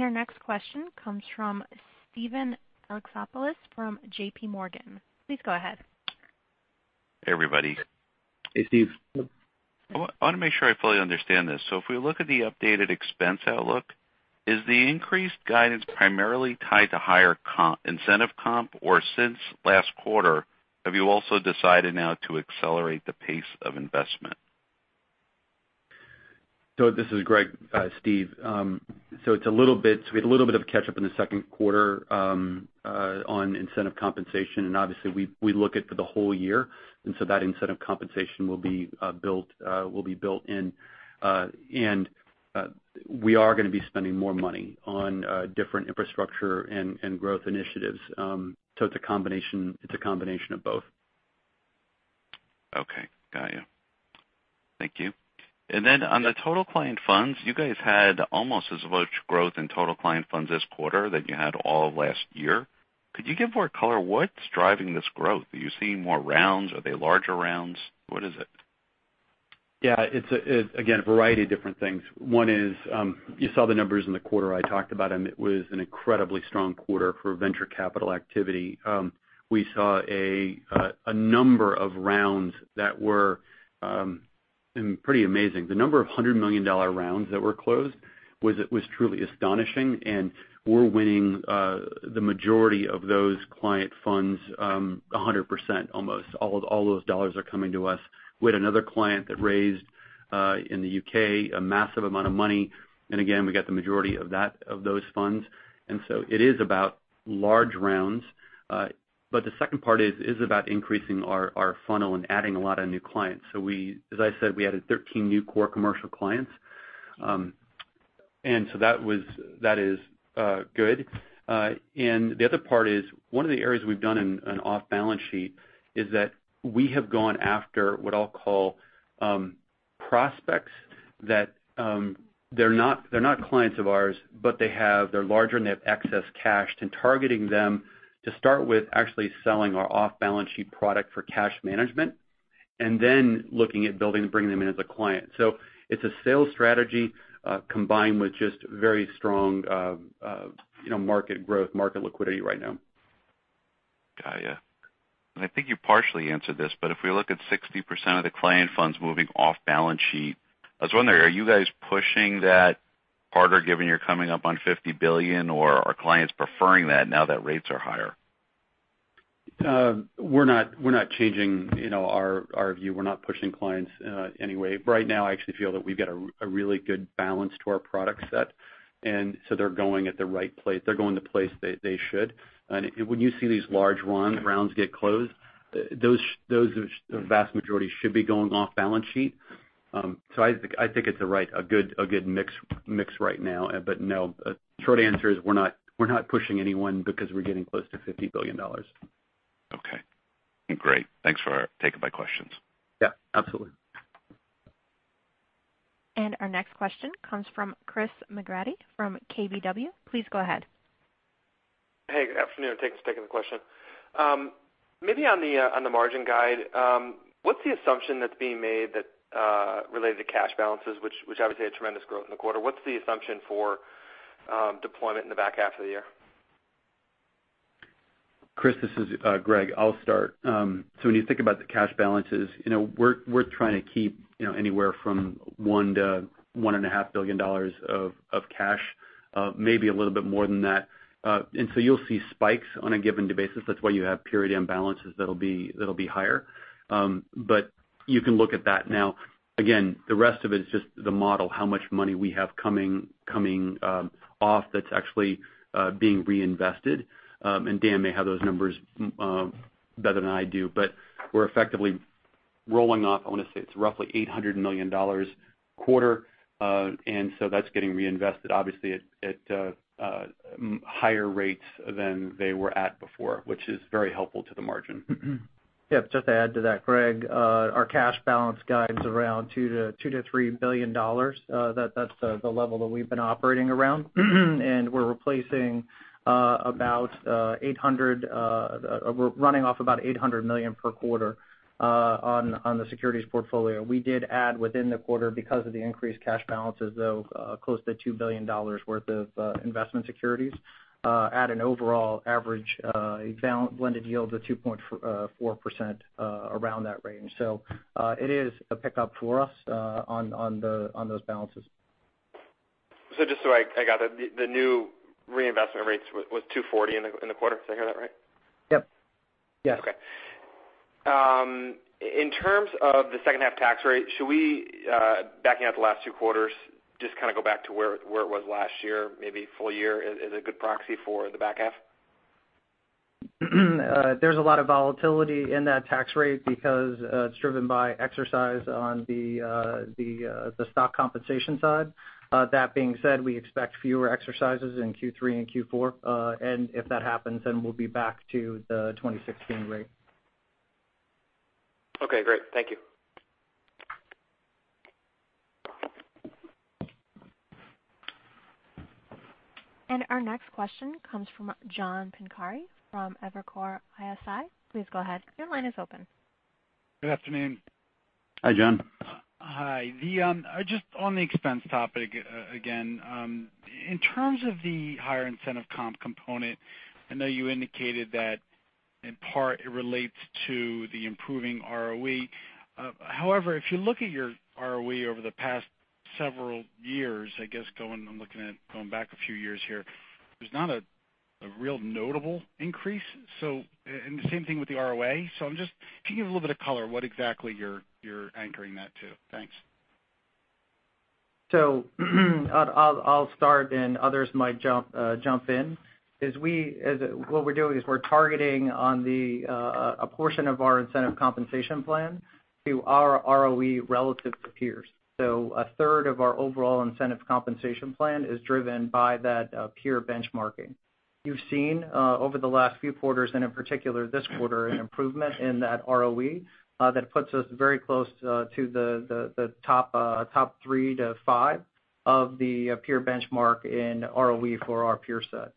Our next question comes from Steven Alexopoulos from JPMorgan. Please go ahead. Hey, everybody. Hey, Steve. I want to make sure I fully understand this. If we look at the updated expense outlook, is the increased guidance primarily tied to higher incentive comp, or since last quarter, have you also decided now to accelerate the pace of investment? This is Greg. Steve, we had a little bit of a catch-up in the second quarter on incentive compensation. Obviously, we look at for the whole year. That incentive compensation will be built in. We are going to be spending more money on different infrastructure and growth initiatives. It's a combination of both. Okay. Got you. Thank you. On the total client funds, you guys had almost as much growth in total client funds this quarter than you had all of last year. Could you give more color? What's driving this growth? Are you seeing more rounds? Are they larger rounds? What is it? It's, again, a variety of different things. One is, you saw the numbers in the quarter I talked about. It was an incredibly strong quarter for venture capital activity. We saw a number of rounds that were pretty amazing. The number of $100 million rounds that were closed was truly astonishing. We're winning the majority of those client funds 100%, almost. All those dollars are coming to us. We had another client that raised, in the U.K., a massive amount of money. Again, we got the majority of those funds. It is about large rounds. The second part is, it's about increasing our funnel and adding a lot of new clients. As I said, we added 13 new core commercial clients. That is good. The other part is, one of the areas we've done an off-balance sheet is that we have gone after what I'll call prospects that are not clients of ours, but they're larger and they have excess cash, targeting them to start with actually selling our off-balance sheet product for cash management, looking at building and bringing them in as a client. It's a sales strategy, combined with just very strong market growth, market liquidity right now. Got you. I think you partially answered this, if we look at 60% of the client funds moving off balance sheet, I was wondering, are you guys pushing that harder given you're coming up on $50 billion, or are clients preferring that now that rates are higher? We're not changing our view. We're not pushing clients any way. Right now, I actually feel that we've got a really good balance to our product set. They're going at the right place. They're going the place they should. When you see these large rounds get closed, those vast majority should be going off balance sheet. I think it's a good mix right now. No, short answer is we're not pushing anyone because we're getting close to $50 billion. Okay. Great. Thanks for taking my questions. Yeah, absolutely. Our next question comes from Chris McGratty from KBW. Please go ahead. Hey, good afternoon. Thanks for taking the question. Maybe on the margin guide, what's the assumption that's being made that related to cash balances, which obviously had tremendous growth in the quarter. What's the assumption for deployment in the back half of the year? Chris, this is Greg. I'll start. When you think about the cash balances, we're trying to keep anywhere from $1 billion-$1.5 billion of cash, maybe a little bit more than that. You'll see spikes on a given basis. That's why you have period imbalances that'll be higher. You can look at that now. Again, the rest of it is just the model, how much money we have coming off that's actually being reinvested. Dan may have those numbers better than I do, but we're effectively rolling off, I want to say, it's roughly $800 million a quarter. That's getting reinvested, obviously, at higher rates than they were at before, which is very helpful to the margin. Yep, just to add to that, Greg. Our cash balance guides around $2 billion-$3 billion. That's the level that we've been operating around. We're running off about $800 million per quarter on the securities portfolio. We did add within the quarter because of the increased cash balances, though, close to $2 billion worth of investment securities at an overall average blended yield of 2.4%, around that range. It is a pickup for us on those balances. Just so I got it, the new reinvestment rates was 240 in the quarter. Did I hear that right? Yep. Yes. Okay. In terms of the second half tax rate, should we, backing out the last two quarters, just kind of go back to where it was last year, maybe full year is a good proxy for the back half? There's a lot of volatility in that tax rate because it's driven by exercise on the stock compensation side. That being said, we expect fewer exercises in Q3 and Q4. If that happens, then we'll be back to the 2016 rate. Okay, great. Thank you. Our next question comes from John Pancari from Evercore ISI. Please go ahead. Your line is open. Good afternoon. Hi, John. Hi. Just on the expense topic again. In terms of the higher incentive comp component, I know you indicated that in part it relates to the improving ROE. However, if you look at your ROE over the past several years, I guess I'm looking at going back a few years here, there's not a real notable increase. The same thing with the ROA. If you can give a little bit of color, what exactly you're anchoring that to. Thanks. I'll start, and others might jump in. What we're doing is we're targeting on a portion of our incentive compensation plan to our ROE relative to peers. A third of our overall incentive compensation plan is driven by that peer benchmarking. You've seen over the last few quarters, and in particular this quarter, an improvement in that ROE that puts us very close to the top three to five of the peer benchmark in ROE for our peer set.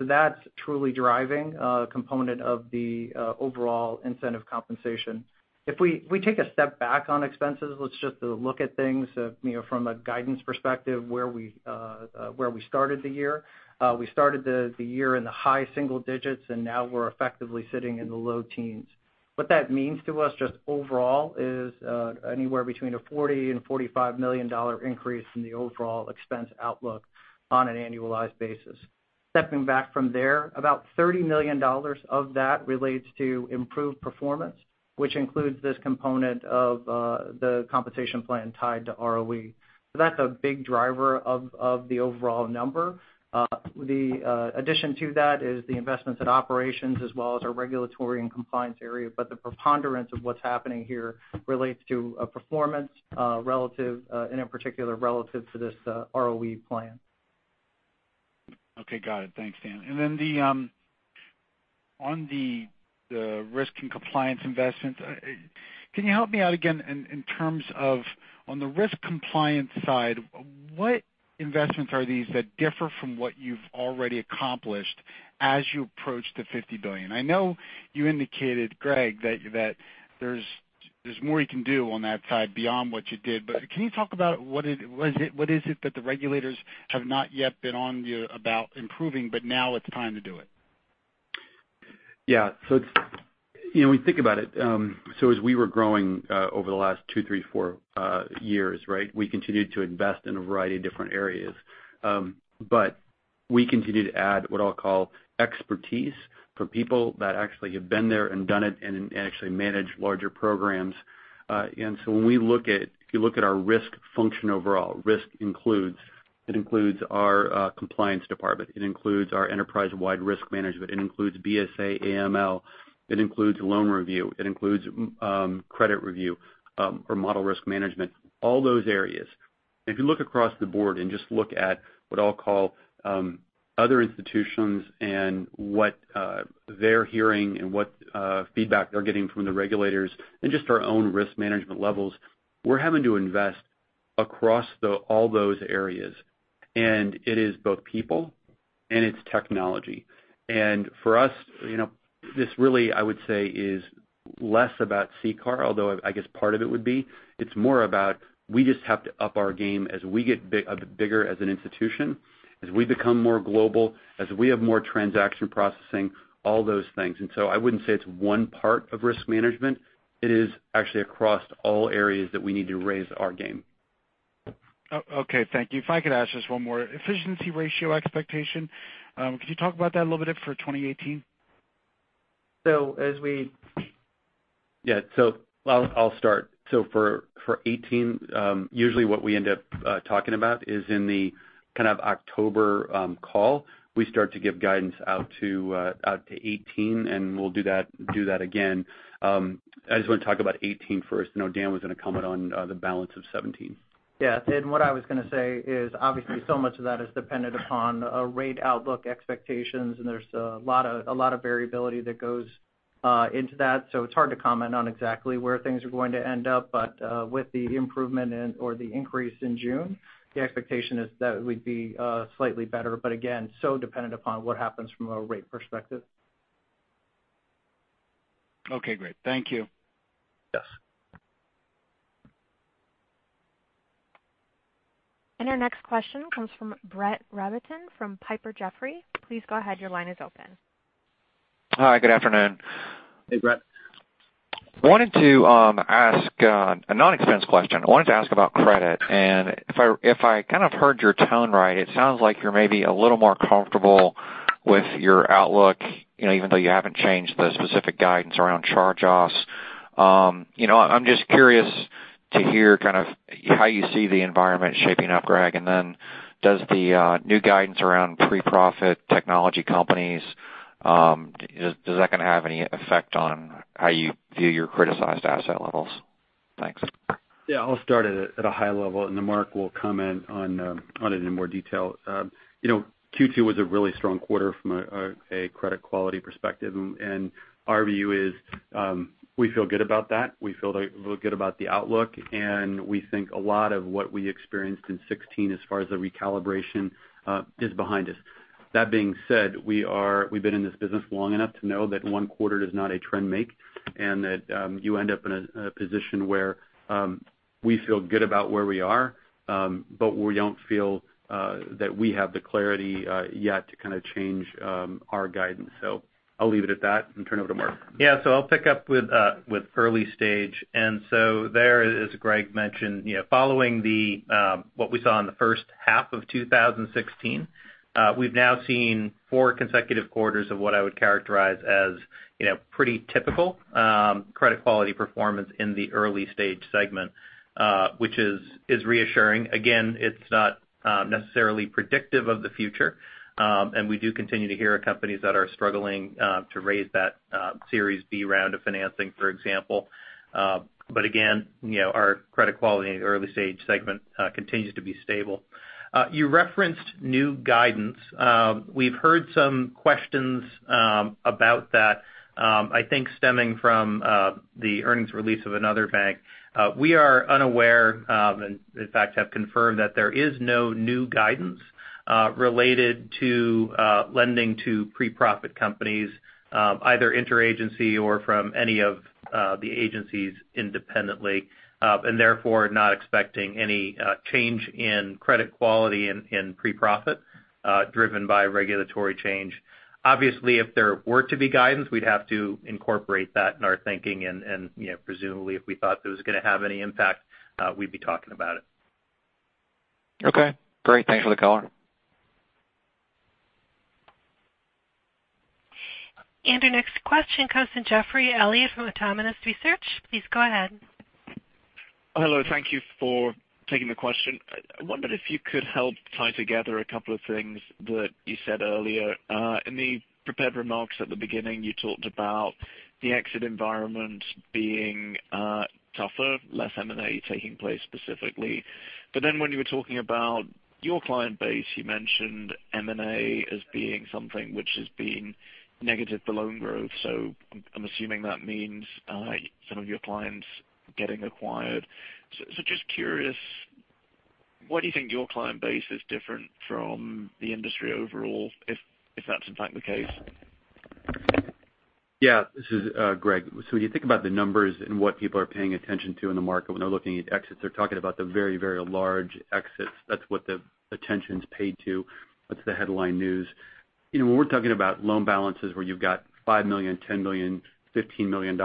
That's truly driving a component of the overall incentive compensation. If we take a step back on expenses, let's just look at things from a guidance perspective where we started the year. We started the year in the high single digits, and now we're effectively sitting in the low teens. What that means to us just overall is anywhere between a $40 million and $45 million increase in the overall expense outlook on an annualized basis. Stepping back from there, about $30 million of that relates to improved performance, which includes this component of the compensation plan tied to ROE. That's a big driver of the overall number. The addition to that is the investments in operations as well as our regulatory and compliance area. The preponderance of what's happening here relates to a performance relative, and in particular, relative to this ROE plan. Okay. Got it. Thanks, Dan. On the risk and compliance investments, can you help me out again in terms of on the risk compliance side, what investments are these that differ from what you've already accomplished as you approach the $50 billion? I know you indicated, Greg, that there's more you can do on that side beyond what you did. Can you talk about what is it that the regulators have not yet been on you about improving, but now it's time to do it? Yeah. When you think about it, so as we were growing, over the last two, three, four years, we continued to invest in a variety of different areas. We continued to add what I'll call expertise for people that actually have been there and done it and actually manage larger programs. If you look at our risk function overall, risk includes our compliance department. It includes our enterprise-wide risk management. It includes BSA, AML. It includes loan review. It includes credit review, or model risk management, all those areas. If you look across the board and just look at what I'll call other institutions and what they're hearing and what feedback they're getting from the regulators and just our own risk management levels, we're having to invest across all those areas. It is both people and it's technology. For us, this really, I would say, is less about CCAR, although I guess part of it would be. It's more about we just have to up our game as we get bigger as an institution, as we become more global, as we have more transaction processing, all those things. I wouldn't say it's one part of risk management. It is actually across all areas that we need to raise our game. Okay. Thank you. If I could ask just one more. Efficiency ratio expectation, could you talk about that a little bit for 2018? I'll start. For 2018, usually what we end up talking about is in the kind of October call, we start to give guidance out to 2018, and we'll do that again. I just want to talk about 2018 first. Dan was going to comment on the balance of 2017. Yeah. What I was going to say is, obviously, so much of that is dependent upon rate outlook expectations, and there's a lot of variability that goes into that. It's hard to comment on exactly where things are going to end up. With the improvement or the increase in June, the expectation is that it would be slightly better. Again, so dependent upon what happens from a rate perspective. Okay, great. Thank you. Yes. Our next question comes from Brett Rabatin from Piper Jaffray. Please go ahead, your line is open. Hi, good afternoon. Hey, Brett. I wanted to ask a non-expense question. I wanted to ask about credit. If I kind of heard your tone right, it sounds like you're maybe a little more comfortable with your outlook even though you haven't changed the specific guidance around charge-offs. I'm just curious to hear kind of how you see the environment shaping up, Greg. Then does the new guidance around pre-profit technology companies, is that going to have any effect on how you view your criticized asset levels? Thanks. I'll start at a high level and then Marc will comment on it in more detail. Q2 was a really strong quarter from a credit quality perspective, and our view is we feel good about that. We feel good about the outlook, and we think a lot of what we experienced in 2016 as far as the recalibration is behind us. That being said, we've been in this business long enough to know that one quarter does not a trend make, and that you end up in a position where we feel good about where we are, but we don't feel that we have the clarity yet to kind of change our guidance. I'll leave it at that and turn it over to Marc. I'll pick up with early stage. There, as Greg mentioned, following what we saw in the first half of 2016, we've now seen four consecutive quarters of what I would characterize as pretty typical credit quality performance in the early-stage segment, which is reassuring. Again, it's not necessarily predictive of the future. We do continue to hear of companies that are struggling to raise that Series B round of financing, for example. Again, our credit quality in the early-stage segment continues to be stable. You referenced new guidance. We've heard some questions about that I think stemming from the earnings release of another bank. We are unaware, and in fact, have confirmed that there is no new guidance related to lending to pre-profit companies, either interagency or from any of the agencies independently. Therefore not expecting any change in credit quality in pre-profit driven by regulatory change. Obviously, if there were to be guidance, we'd have to incorporate that in our thinking and presumably if we thought it was going to have any impact, we'd be talking about it. Great. Thanks for the call. Our next question comes from Jeffrey Elias from Autonomous Research. Please go ahead. Hello. Thank you for taking the question. I wondered if you could help tie together a couple of things that you said earlier. In the prepared remarks at the beginning, you talked about the exit environment being tougher, less M&A taking place specifically. When you were talking about your client base, you mentioned M&A as being something which has been negative for loan growth. I'm assuming that means some of your clients getting acquired. Just curious, what do you think your client base is different from the industry overall, if that's in fact the case? Yeah. This is Greg. When you think about the numbers and what people are paying attention to in the market when they're looking at exits, they're talking about the very, very large exits. That's what the attention's paid to. That's the headline news. When we're talking about loan balances where you've got $5 million, $10 million, $15 million,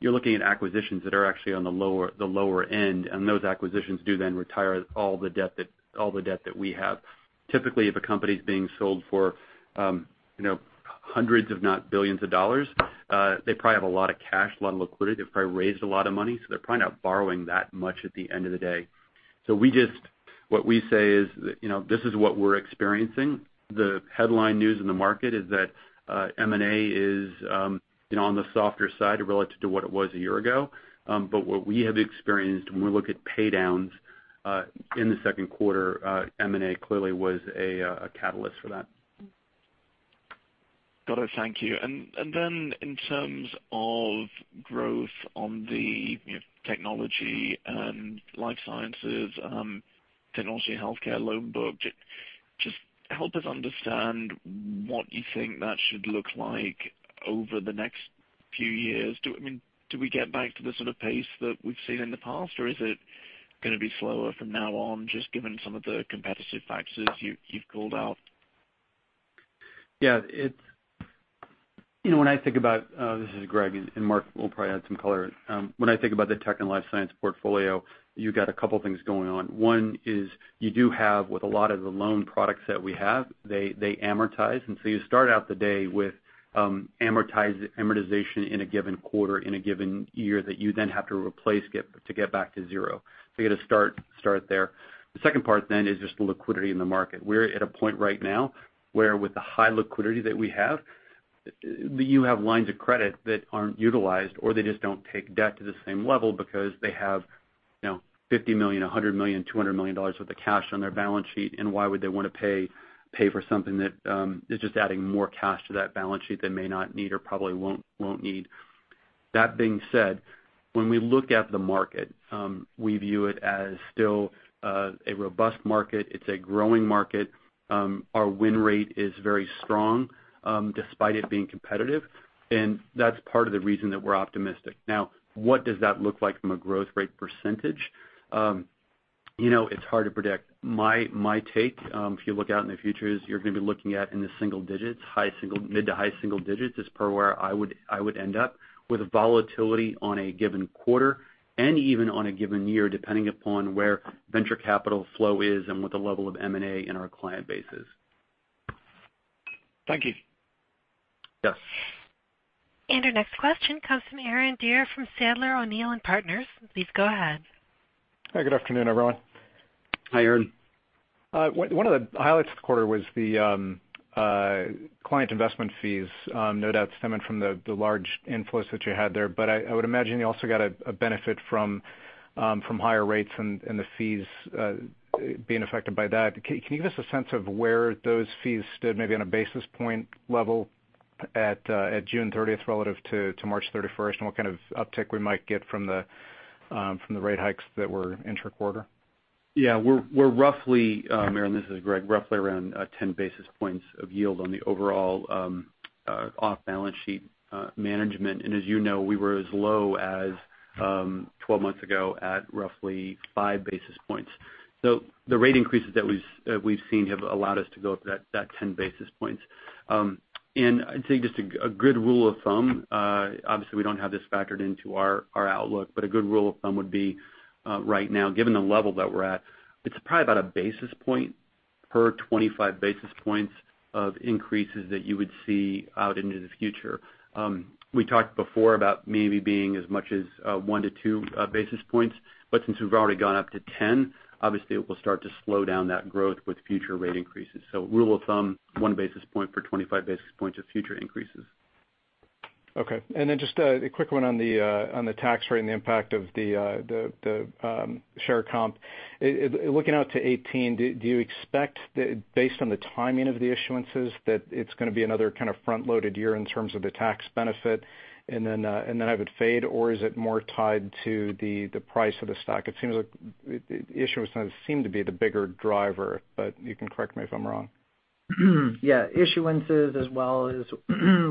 you're looking at acquisitions that are actually on the lower end, and those acquisitions do then retire all the debt that we have. Typically, if a company's being sold for hundreds, if not billions of dollars, they probably have a lot of cash, a lot of liquidity. They've probably raised a lot of money, so they're probably not borrowing that much at the end of the day. What we say is, this is what we're experiencing. The headline news in the market is that M&A is on the softer side relative to what it was a year ago. What we have experienced when we look at pay-downs in the second quarter, M&A clearly was a catalyst for that. Got it. Thank you. In terms of growth on the technology and life sciences, technology healthcare loan book, just help us understand what you think that should look like over the next few years. Do we get back to the sort of pace that we've seen in the past, or is it going to be slower from now on, just given some of the competitive factors you've called out? This is Greg, and Marc will probably add some color. When I think about the tech and life science portfolio, you got a couple things going on. One is you do have, with a lot of the loan products that we have, they amortize. So you start out the day with amortization in a given quarter, in a given year that you then have to replace to get back to zero. You get a start there. The second part then is just the liquidity in the market. We're at a point right now where with the high liquidity that we have, you have lines of credit that aren't utilized, or they just don't take debt to the same level because they have $50 million, $100 million, $200 million worth of cash on their balance sheet. Why would they want to pay for something that is just adding more cash to that balance sheet they may not need or probably won't need. That being said, when we look at the market, we view it as still a robust market. It's a growing market. Our win rate is very strong despite it being competitive, and that's part of the reason that we're optimistic. Now, what does that look like from a growth rate %? It's hard to predict. My take, if you look out in the future, is you're going to be looking at in the single digits. Mid to high single digits is probably where I would end up with a volatility on a given quarter and even on a given year, depending upon where VC flow is and what the level of M&A in our client base is. Thank you. Yes. Our next question comes from Aaron Deer from Sandler O'Neill & Partners. Please go ahead. Hi, good afternoon, everyone. Hi, Aaron. One of the highlights this quarter was the client investment fees, no doubt stemming from the large inflows that you had there. I would imagine you also got a benefit from higher rates and the fees being affected by that. Can you give us a sense of where those fees stood, maybe on a basis point level at June 30th relative to March 31st, and what kind of uptick we might get from the rate hikes that were intra-quarter? Yeah. Aaron, this is Greg. We're roughly around 10 basis points of yield on the overall off-balance sheet management. As you know, we were as low as 12 months ago at roughly five basis points. The rate increases that we've seen have allowed us to go up that 10 basis points. I'd say just a good rule of thumb, obviously we don't have this factored into our outlook, but a good rule of thumb would be right now, given the level that we're at, it's probably about a basis point per 25 basis points of increases that you would see out into the future. We talked before about maybe being as much as one to two basis points, but since we've already gone up to 10, obviously it will start to slow down that growth with future rate increases. Rule of thumb, one basis point for 25 basis points of future increases. Okay. Then just a quick one on the tax rate and the impact of the share comp. Looking out to 2018, do you expect based on the timing of the issuances, that it's going to be another kind of front-loaded year in terms of the tax benefit and then have it fade, or is it more tied to the price of the stock? It seems like the issuance seemed to be the bigger driver, but you can correct me if I'm wrong. Yeah, issuances as well as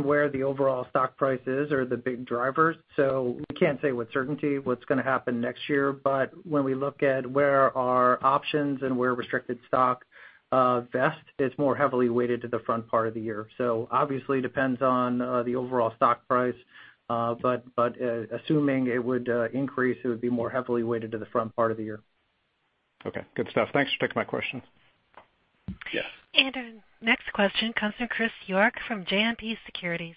where the overall stock price is are the big drivers. We can't say with certainty what's going to happen next year, but when we look at where our options and where restricted stock vest, it's more heavily weighted to the front part of the year. Obviously depends on the overall stock price. Assuming it would increase, it would be more heavily weighted to the front part of the year. Okay, good stuff. Thanks for taking my questions. Yes. Our next question comes from Chris York from JMP Securities.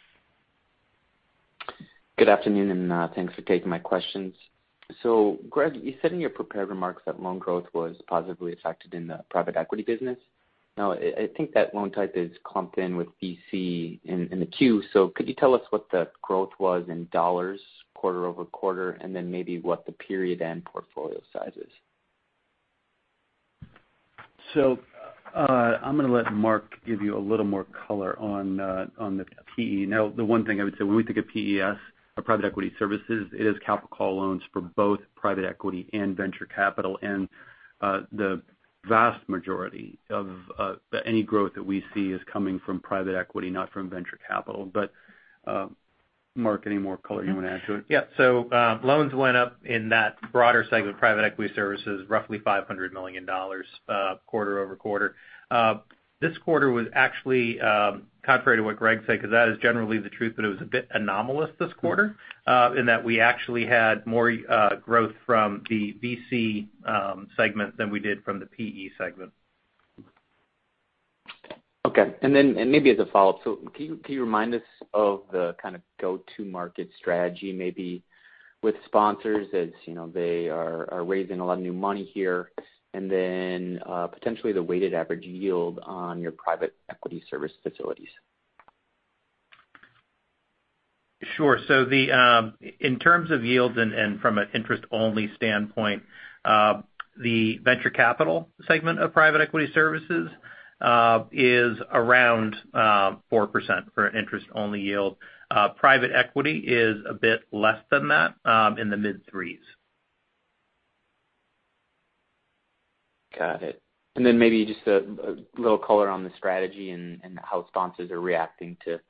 Good afternoon, and thanks for taking my questions. Greg, you said in your prepared remarks that loan growth was positively affected in the private equity business. I think that loan type is clumped in with VC in the Q. Could you tell us what the growth was in $ quarter-over-quarter, and then maybe what the period end portfolio size is? I'm going to let Marc give you a little more color on the PE. The one thing I would say, when we think of PES or private equity services, it is capital call loans for both private equity and venture capital. The vast majority of any growth that we see is coming from private equity, not from venture capital. Marc, any more color you want to add to it? Yeah. Loans went up in that broader segment of private equity services, roughly $500 million quarter-over-quarter. This quarter was actually contrary to what Greg said because that is generally the truth, but it was a bit anomalous this quarter in that we actually had more growth from the VC segment than we did from the PE segment. Okay. Maybe as a follow-up, can you remind us of the kind of go-to-market strategy, maybe with sponsors as they are raising a lot of new money here, potentially the weighted average yield on your private equity service facilities? Sure. In terms of yields and from an interest-only standpoint, the venture capital segment of private equity services is around 4% for an interest-only yield. Private equity is a bit less than that, in the mid threes. Got it. Maybe just a little color on the strategy and how sponsors are reacting to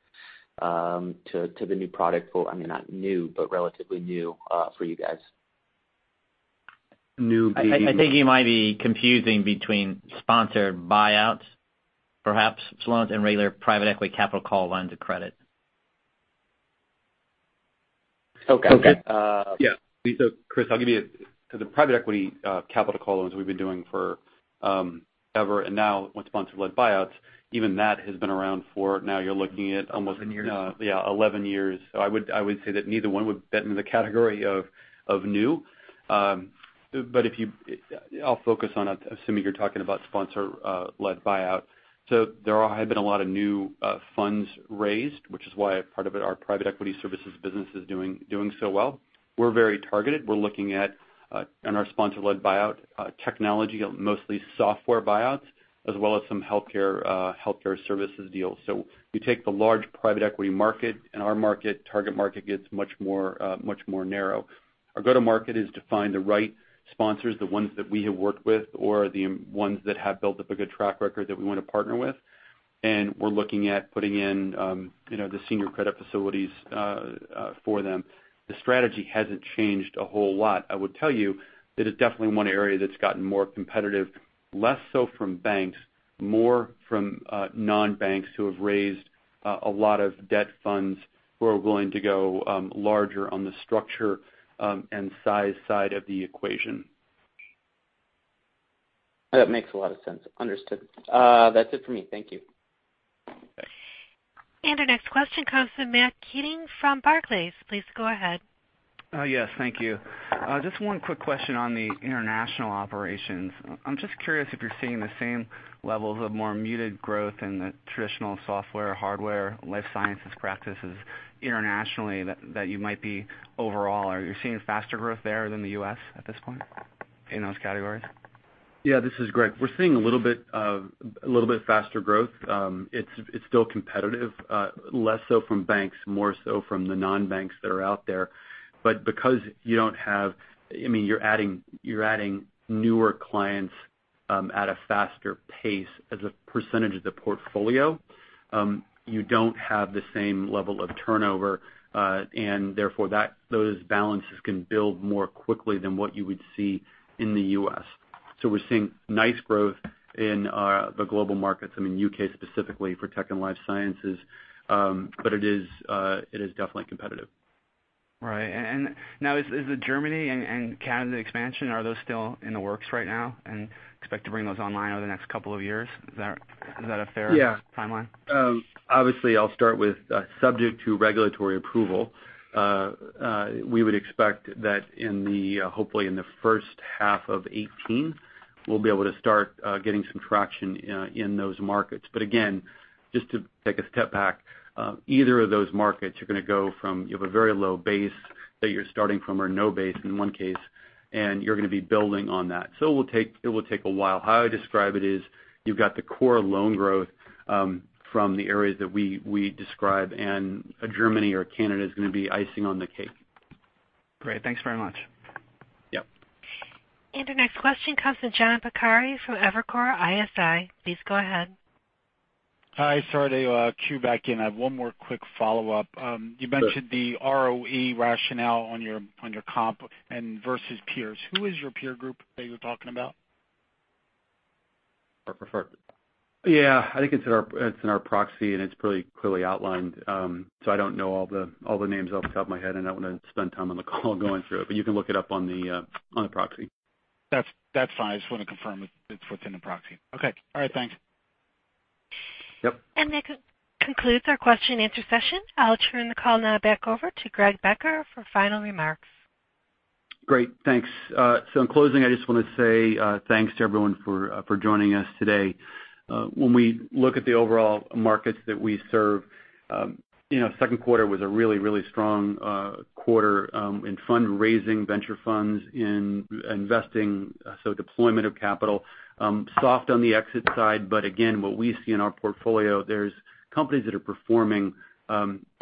the new product. I mean, not new, but relatively new for you guys. New- I think you might be confusing between sponsored buyouts perhaps loans and regular private equity capital call lines of credit. Okay. Yeah. Chris, the private equity capital call loans we've been doing forever. Now with sponsor-led buyouts, even that has been around for now you're looking at almost- 11 years. Yeah, 11 years. I would say that neither one would fit in the category of new. I'll focus on assuming you're talking about sponsor-led buyout. There have been a lot of new funds raised, which is why part of it our private equity services business is doing so well. We're very targeted. We're looking at, in our sponsor-led buyout technology, mostly software buyouts as well as some healthcare services deals. We take the large private equity market, our target market gets much more narrow. Our go-to market is to find the right sponsors, the ones that we have worked with or the ones that have built up a good track record that we want to partner with. We're looking at putting in the senior credit facilities for them. The strategy hasn't changed a whole lot. I would tell you that it's definitely one area that's gotten more competitive, less so from banks, more from non-banks who have raised a lot of debt funds who are willing to go larger on the structure and size side of the equation. That makes a lot of sense. Understood. That's it for me. Thank you. Thanks. Our next question comes from Matthew Keating from Barclays. Please go ahead. Yes, thank you. Just one quick question on the international operations. I'm just curious if you're seeing the same levels of more muted growth in the traditional software, hardware, life sciences practices internationally that you might be overall. Are you seeing faster growth there than the U.S. at this point in those categories? Yeah, this is Greg. We're seeing a little bit of faster growth. It's still competitive. Less so from banks, more so from the non-banks that are out there. Because you're adding newer clients at a faster pace as a percentage of the portfolio. You don't have the same level of turnover. Therefore those balances can build more quickly than what you would see in the U.S. We're seeing nice growth in the global markets. I mean, U.K. specifically for tech and life sciences. It is definitely competitive. Right. Now is the Germany and Canada expansion, are those still in the works right now and expect to bring those online over the next couple of years? Is that a fair- Yeah timeline? Obviously, I'll start with subject to regulatory approval. We would expect that hopefully in the first half of 2018, we'll be able to start getting some traction in those markets. Again, just to take a step back, either of those markets you're going to go from, you have a very low base that you're starting from or no base in one case, and you're going to be building on that. It will take a while. How I describe it is you've got the core loan growth from the areas that we describe, and a Germany or Canada is going to be icing on the cake. Great. Thanks very much. Yep. Our next question comes from John Pancari from Evercore ISI. Please go ahead. Hi. Sorry to queue back in. I have one more quick follow-up. Sure. You mentioned the ROE rationale on your comp and versus peers. Who is your peer group that you were talking about? Preferred. Yeah, I think it's in our proxy, and it's pretty clearly outlined. I don't know all the names off the top of my head, and I don't want to spend time on the call going through it, but you can look it up on the proxy. That's fine. I just want to confirm it's within the proxy. Okay. All right. Thanks. Yep. That concludes our question and answer session. I'll turn the call now back over to Greg Becker for final remarks. Great, thanks. In closing, I just want to say thanks to everyone for joining us today. When we look at the overall markets that we serve, second quarter was a really strong quarter in fundraising venture funds, in investing, so deployment of capital. Soft on the exit side, but again, what we see in our portfolio, there's companies that are performing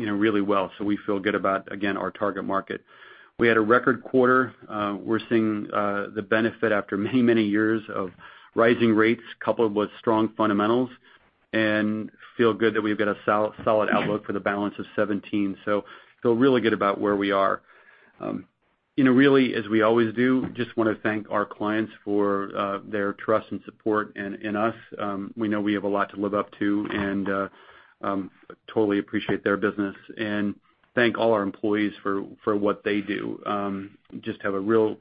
really well. We feel good about, again, our target market. We had a record quarter. We're seeing the benefit after many years of rising rates coupled with strong fundamentals and feel good that we've got a solid outlook for the balance of 2017. Feel really good about where we are. Really as we always do, just want to thank our clients for their trust and support in us. We know we have a lot to live up to and totally appreciate their business. Thank all our employees for what they do. Just have a real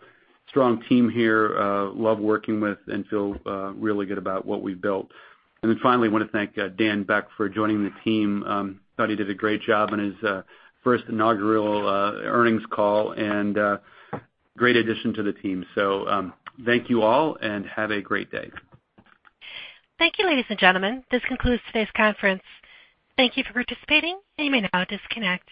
strong team here, love working with, and feel really good about what we've built. Finally, want to thank Daniel Beck for joining the team. Thought he did a great job on his first inaugural earnings call and great addition to the team. Thank you all, and have a great day. Thank you, ladies and gentlemen. This concludes today's conference. Thank you for participating. You may now disconnect.